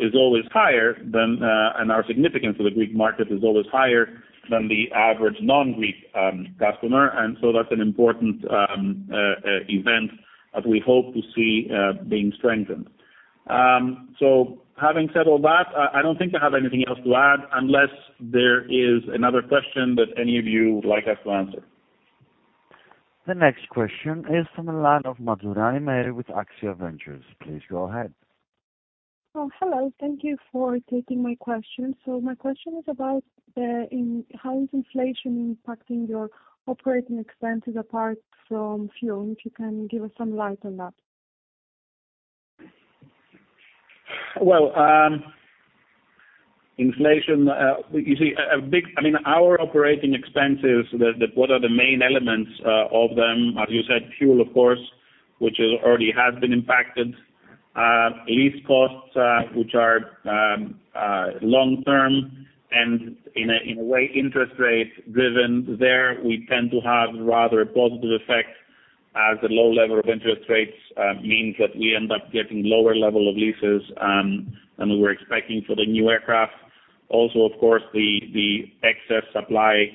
is always higher than, and our significance to the Greek market is always higher than the average non-Greek customer. That's an important event that we hope to see being strengthened. Having said all that, I don't think I have anything else to add unless there is another question that any of you would like us to answer. The next question is from the line of [inaudible] with Axia Ventures. Please go ahead. Oh, hello. Thank you for taking my question. My question is about how is inflation impacting your operating expenses apart from fuel, if you can give us some light on that? Well, inflation, you see, our operating expenses that what are the main elements of them, as you said, fuel, of course, which already has been impacted. Lease costs which are long-term and in a way, interest rate driven. There we tend to have rather a positive effect as the low level of interest rates means that we end up getting lower level of leases than we were expecting for the new aircraft. Also of course, the excess supply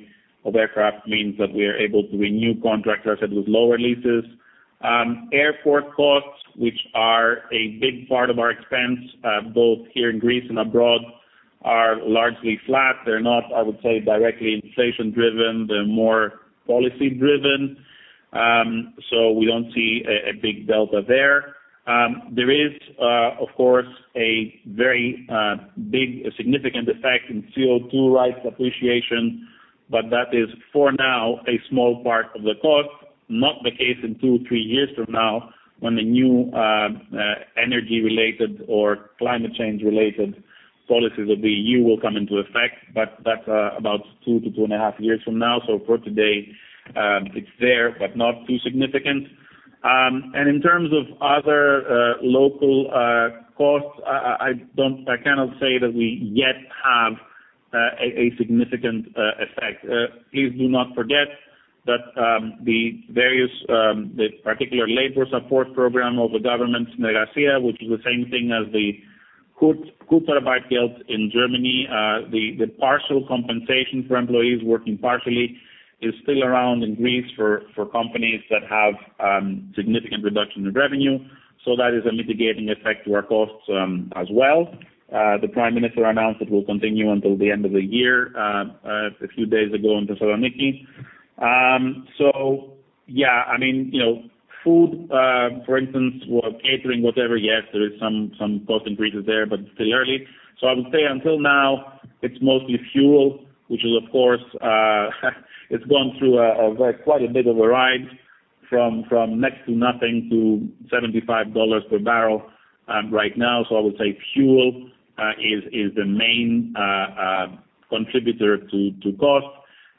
of aircraft means that we are able to renew contracts, as I said, with lower leases. Airport costs, which are a big part of our expense, both here in Greece and abroad, are largely flat. They're not, I would say, directly inflation-driven. They're more policy-driven. We don't see a big delta there. There is, of course, a very big significant effect in CO2 rights appreciation, but that is, for now, a small part of the cost. Not the case in two, three years from now when the new energy-related or climate change-related policies of the E.U. will come into effect. That's about two to two and a half years from now. For today, it's there, but not too significant. In terms of other local costs, I cannot say that we yet have a significant effect. Please do not forget that the particular labor support program of the government's, [MeRA25, which is the same thing as the Kurzarbeit in Germany. The partial compensation for employees working partially is still around in Greece for companies that have significant reduction in revenue. That is a mitigating effect to our costs as well. The Prime Minister announced it will continue until the end of the year, a few days ago in Thessaloniki. Yeah, food for instance, or catering, whatever, yes, there is some cost increases there, but it's still early. I would say until now, it's mostly fuel, which is, of course, it's gone through quite a bit of a ride from next to nothing to $75 per barrel right now.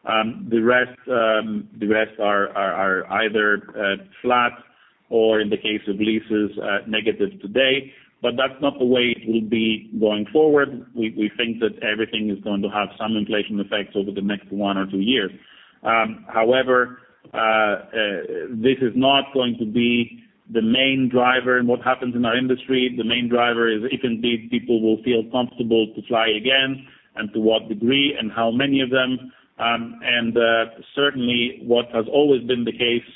The rest are either flat or in the case of leases, negative today. That's not the way it will be going forward. We think that everything is going to have some inflation effects over the next one or two years. However, this is not going to be the main driver in what happens in our industry. The main driver is if indeed people will feel comfortable to fly again, and to what degree and how many of them. Certainly what has always been the case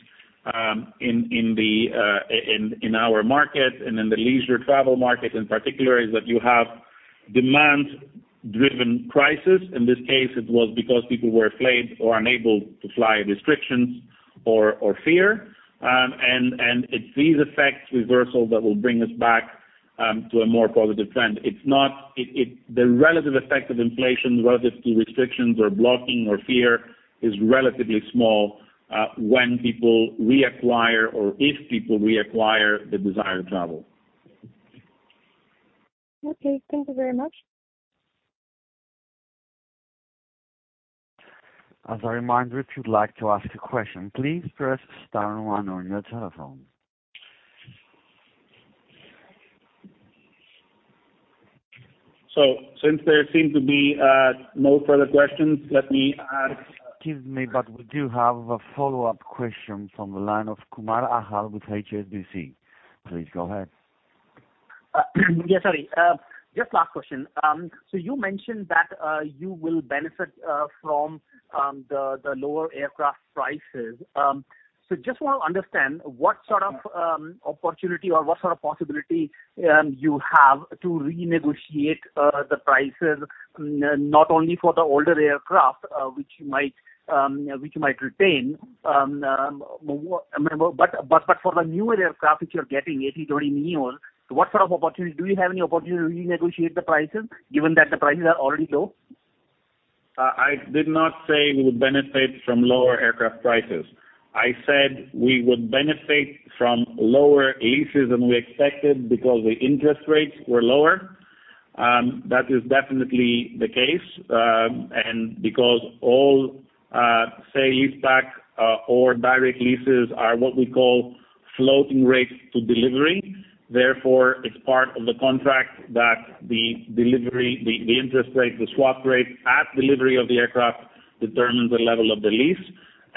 in our market and in the leisure travel market in particular, is that you have demand-driven crisis. In this case, it was because people were afraid or unable to fly, restrictions or fear. It's these effects reversal that will bring us back to a more positive trend. The relative effect of inflation versus the restrictions or blocking or fear is relatively small when people reacquire, or if people reacquire the desire to travel. Okay, thank you very much. As a reminder, if you'd like to ask a question, please press star one on your telephone. Since there seem to be no further questions let me- Excuse me, we do have a follow-up question from the line of Achal Kumar with HSBC. Please go ahead. Yeah, sorry. Just last question. You mentioned that you will benefit from the lower aircraft prices. Just want to understand what sort of opportunity or what sort of possibility you have to renegotiate the prices, not only for the older aircraft which you might retain. For the newer aircraft which you're getting, A320neo. Do you have any opportunity to renegotiate the prices given that the prices are already low? I did not say we would benefit from lower aircraft prices. I said we would benefit from lower leases than we expected because the interest rates were lower. That is definitely the case. Because all sale-leaseback or direct leases are what we call floating rates to delivery, therefore, it's part of the contract that the interest rate, the swap rate at delivery of the aircraft determines the level of the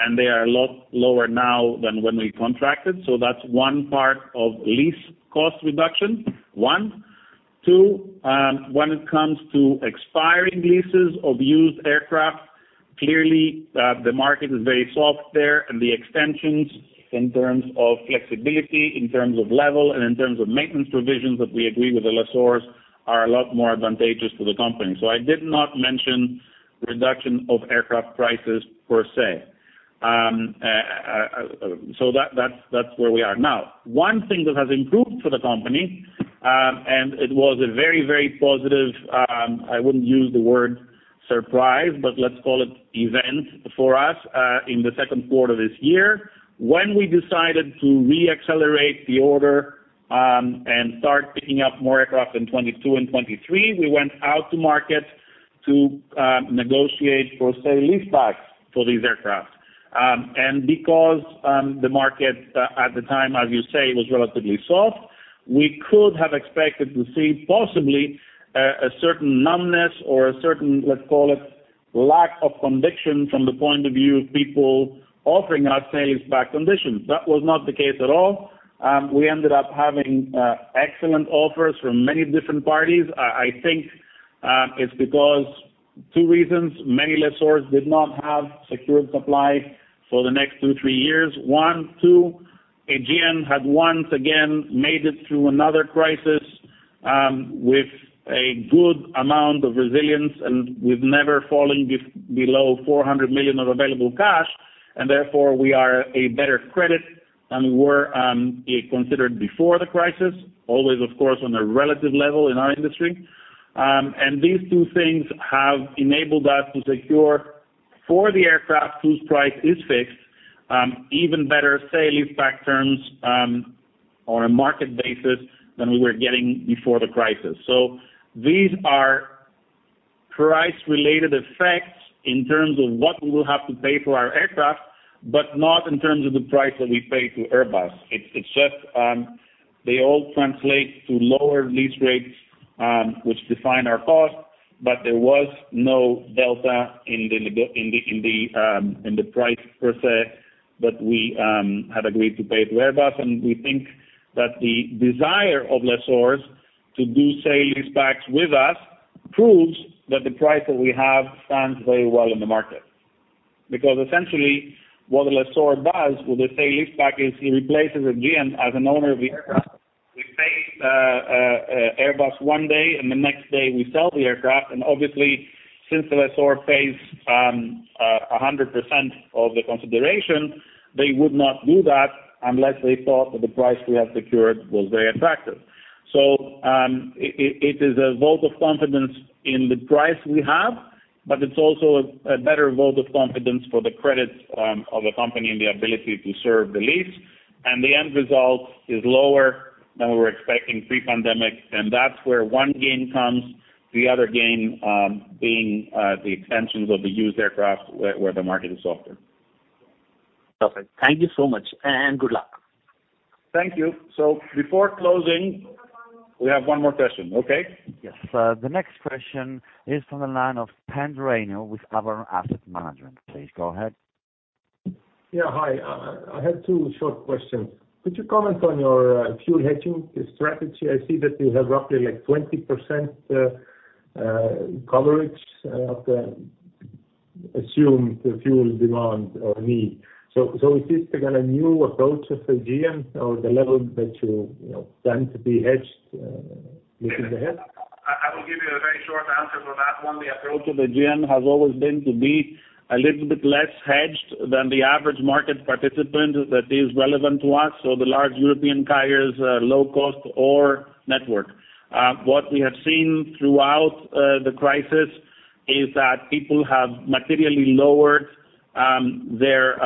lease, and they are a lot lower now than when we contracted. That's one part of lease cost reduction. One. Two, when it comes to expiring leases of used aircraft, clearly, the market is very soft there and the extensions in terms of flexibility, in terms of level, and in terms of maintenance provisions that we agree with the lessors are a lot more advantageous to the company. I did not mention reduction of aircraft prices per se. That's where we are. One thing that has improved for the company, and it was a very, very positive, I wouldn't use the word surprise, but let's call it event for us, in the second quarter this year. When we decided to re-accelerate the order, and start picking up more aircraft in 2022 and 2023, we went out to market to negotiate for sale-leasebacks for these aircraft. Because the market at the time, as you say, was relatively soft, we could have expected to see possibly a certain numbness or a certain, let's call it lack of conviction from the point of view of people offering us sale-leaseback conditions. That was not the case at all. We ended up having excellent offers from many different parties. Two reasons. Many lessors did not have secured supply for the next two, three years. One, two, Aegean had once again made it through another crisis with a good amount of resilience, and we've never fallen below 400 million of available cash. Therefore, we are a better credit than we were considered before the crisis. Always, of course, on a relative level in our industry. These two things have enabled us to secure for the aircraft whose price is fixed, even better sale-leaseback terms on a market basis than we were getting before the crisis. These are price-related effects in terms of what we will have to pay for our aircraft, but not in terms of the price that we pay to Airbus. It's just, they all translate to lower lease rates which define our cost. There was no delta in the price per se that we had agreed to pay to Airbus. We think that the desire of lessors to do sale-leasebacks with us proves that the price that we have stands very well in the market. Essentially, what the lessor does with the sale-leaseback is he replaces Aegean as an owner of the aircraft. We pay Airbus one day, and the next day we sell the aircraft. Obviously, since the lessor pays 100% of the consideration, they would not do that unless they thought that the price we have secured was very attractive. It is a vote of confidence in the price we have, but it's also a better vote of confidence for the credits of the company and the ability to serve the lease. The end result is lower than we were expecting pre-pandemic, and that's where one gain comes, the other gain being the extensions of the used aircraft where the market is softer. Perfect. Thank you so much, and good luck. Thank you. We have one more question. Okay. Yes. The next question is from the line of [Pen Reno] with Aberdeen Asset Management. Please go ahead. Yeah. Hi. I have two short questions. Could you comment on your fuel hedging strategy? I see that you have roughly 20% coverage of the assumed fuel demand or need. Is this kind of new approach of Aegean or the level that you plan to be hedged looking ahead? I will give you a very short answer for that one. The approach of Aegean has always been to be a little bit less hedged than the average market participant that is relevant to us. The large European carriers, low cost or network. What we have seen throughout the crisis is that people have materially lowered their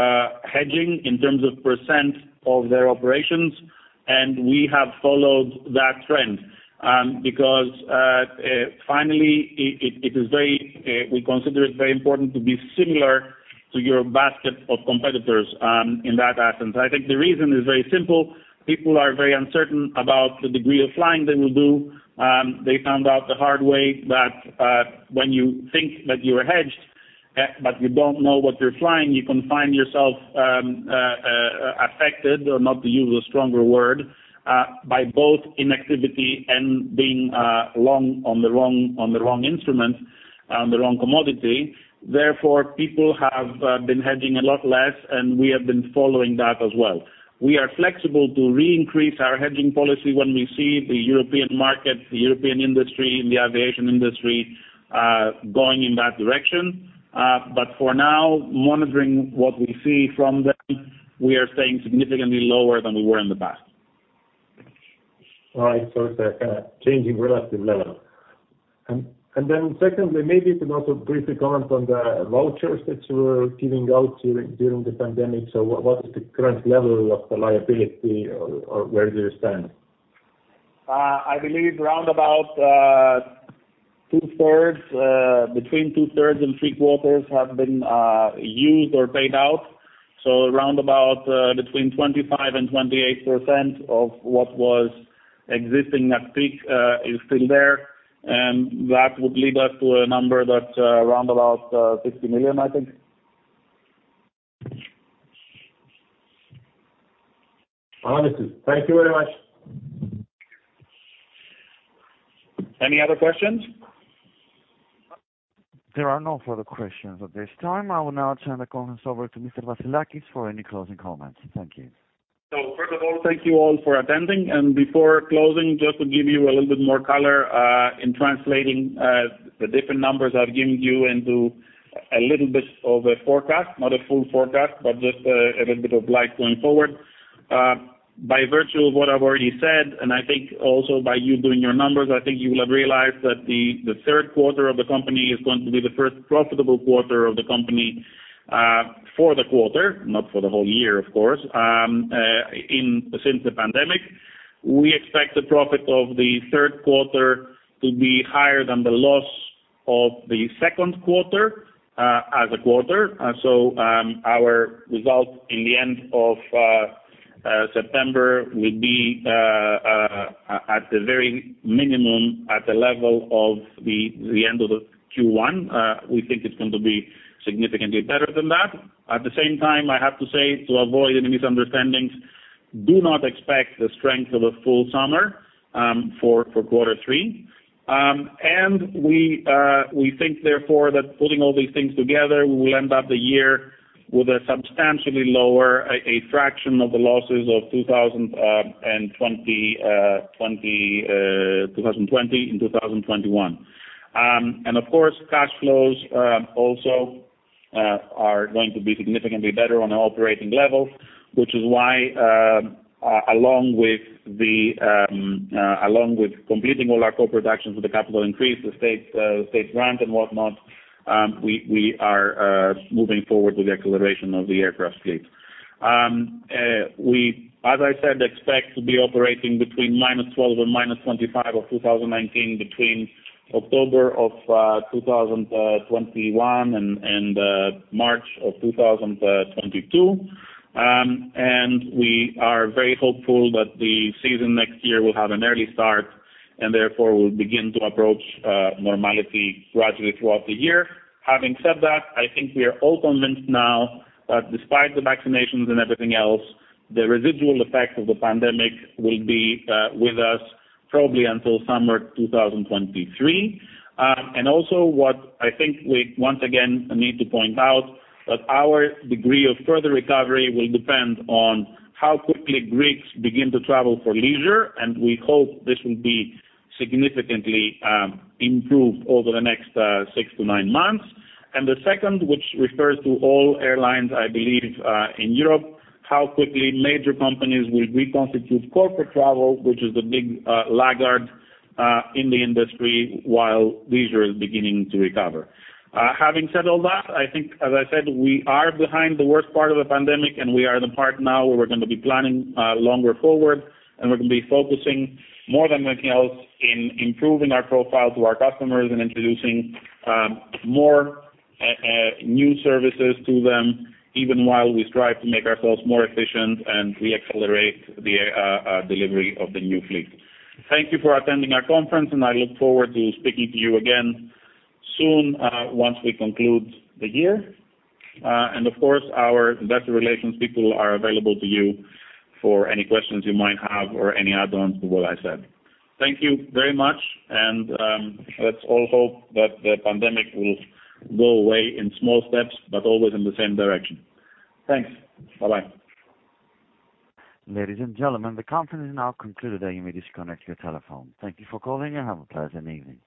hedging in terms of percent of their operations, and we have followed that trend. Finally, we consider it very important to be similar to your basket of competitors in that essence. I think the reason is very simple. People are very uncertain about the degree of flying they will do. They found out the hard way that when you think that you're hedged, but you don't know what you're flying, you can find yourself affected, or not to use a stronger word, by both inactivity and being long on the wrong instrument, on the wrong commodity. Therefore, people have been hedging a lot less, and we have been following that as well. We are flexible to re-increase our hedging policy when we see the European market, the European industry, and the aviation industry going in that direction. For now, monitoring what we see from them, we are staying significantly lower than we were in the past. All right. It's a kind of changing relative level. Secondly, maybe you can also briefly comment on the vouchers that you were giving out during the pandemic. What is the current level of the liability, or where do you stand? I believe around about two-thirds, between two-thirds and three-quarters have been used or paid out. Around about between 25% and 28% of what was existing at peak is still there. That would lead us to a number that's around about 50 million, I think. Understood. Thank you very much. Any other questions? There are no further questions at this time. I will now turn the conference over to Mr. Vassilakis for any closing comments. Thank you. First of all, thank you all for attending. Before closing, just to give you a little bit more color in translating the different numbers I've given you into a little bit of a forecast. Not a full forecast, but just a little bit of light going forward. By virtue of what I've already said, and I think also by you doing your numbers, I think you will have realized that the third quarter of the company is going to be the first profitable quarter of the company for the quarter, not for the whole year, of course, since the pandemic. We expect the profit of the third quarter to be higher than the loss of the second quarter as a quarter. Our results in the end of September will be at the very minimum, at the level of the end of the Q1. We think it's going to be significantly better than that. At the same time, I have to say, to avoid any misunderstandings. Do not expect the strength of a full summer for quarter three. We think therefore that putting all these things together, we will end up the year with a substantially lower, a fraction of the losses of 2020 in 2021. Of course, cash flows also are going to be significantly better on an operating level, which is why along with completing all our corporate actions with the capital increase, the state grant and whatnot, we are moving forward with the acceleration of the aircraft fleet. We, as I said, expect to be operating between -12 and -25 of 2019, between October of 2021 and March of 2022. We are very hopeful that the season next year will have an early start and therefore will begin to approach normality gradually throughout the year. Having said that, I think we are all convinced now that despite the vaccinations and everything else, the residual effect of the pandemic will be with us probably until summer 2023. Also what I think we once again need to point out that our degree of further recovery will depend on how quickly Greeks begin to travel for leisure, and we hope this will be significantly improved over the next 6-9 months. The second, which refers to all airlines, I believe, in Europe, how quickly major companies will reconstitute corporate travel, which is the big laggard in the industry while leisure is beginning to recover. Having said all that, I think, as I said, we are behind the worst part of the pandemic, and we are in the part now where we're going to be planning longer forward, and we're going to be focusing more than anything else in improving our profile to our customers and introducing more new services to them, even while we strive to make ourselves more efficient and we accelerate the delivery of the new fleet. Thank you for attending our conference, and I look forward to speaking to you again soon once we conclude the year. Of course, our investor relations people are available to you for any questions you might have or any add-ons to what I said. Thank you very much, and let's all hope that the pandemic will go away in small steps, but always in the same direction. Thanks. Bye-bye. Ladies and gentlemen, the conference is now concluded. You may disconnect your telephone. Thank you for calling and have a pleasant evening.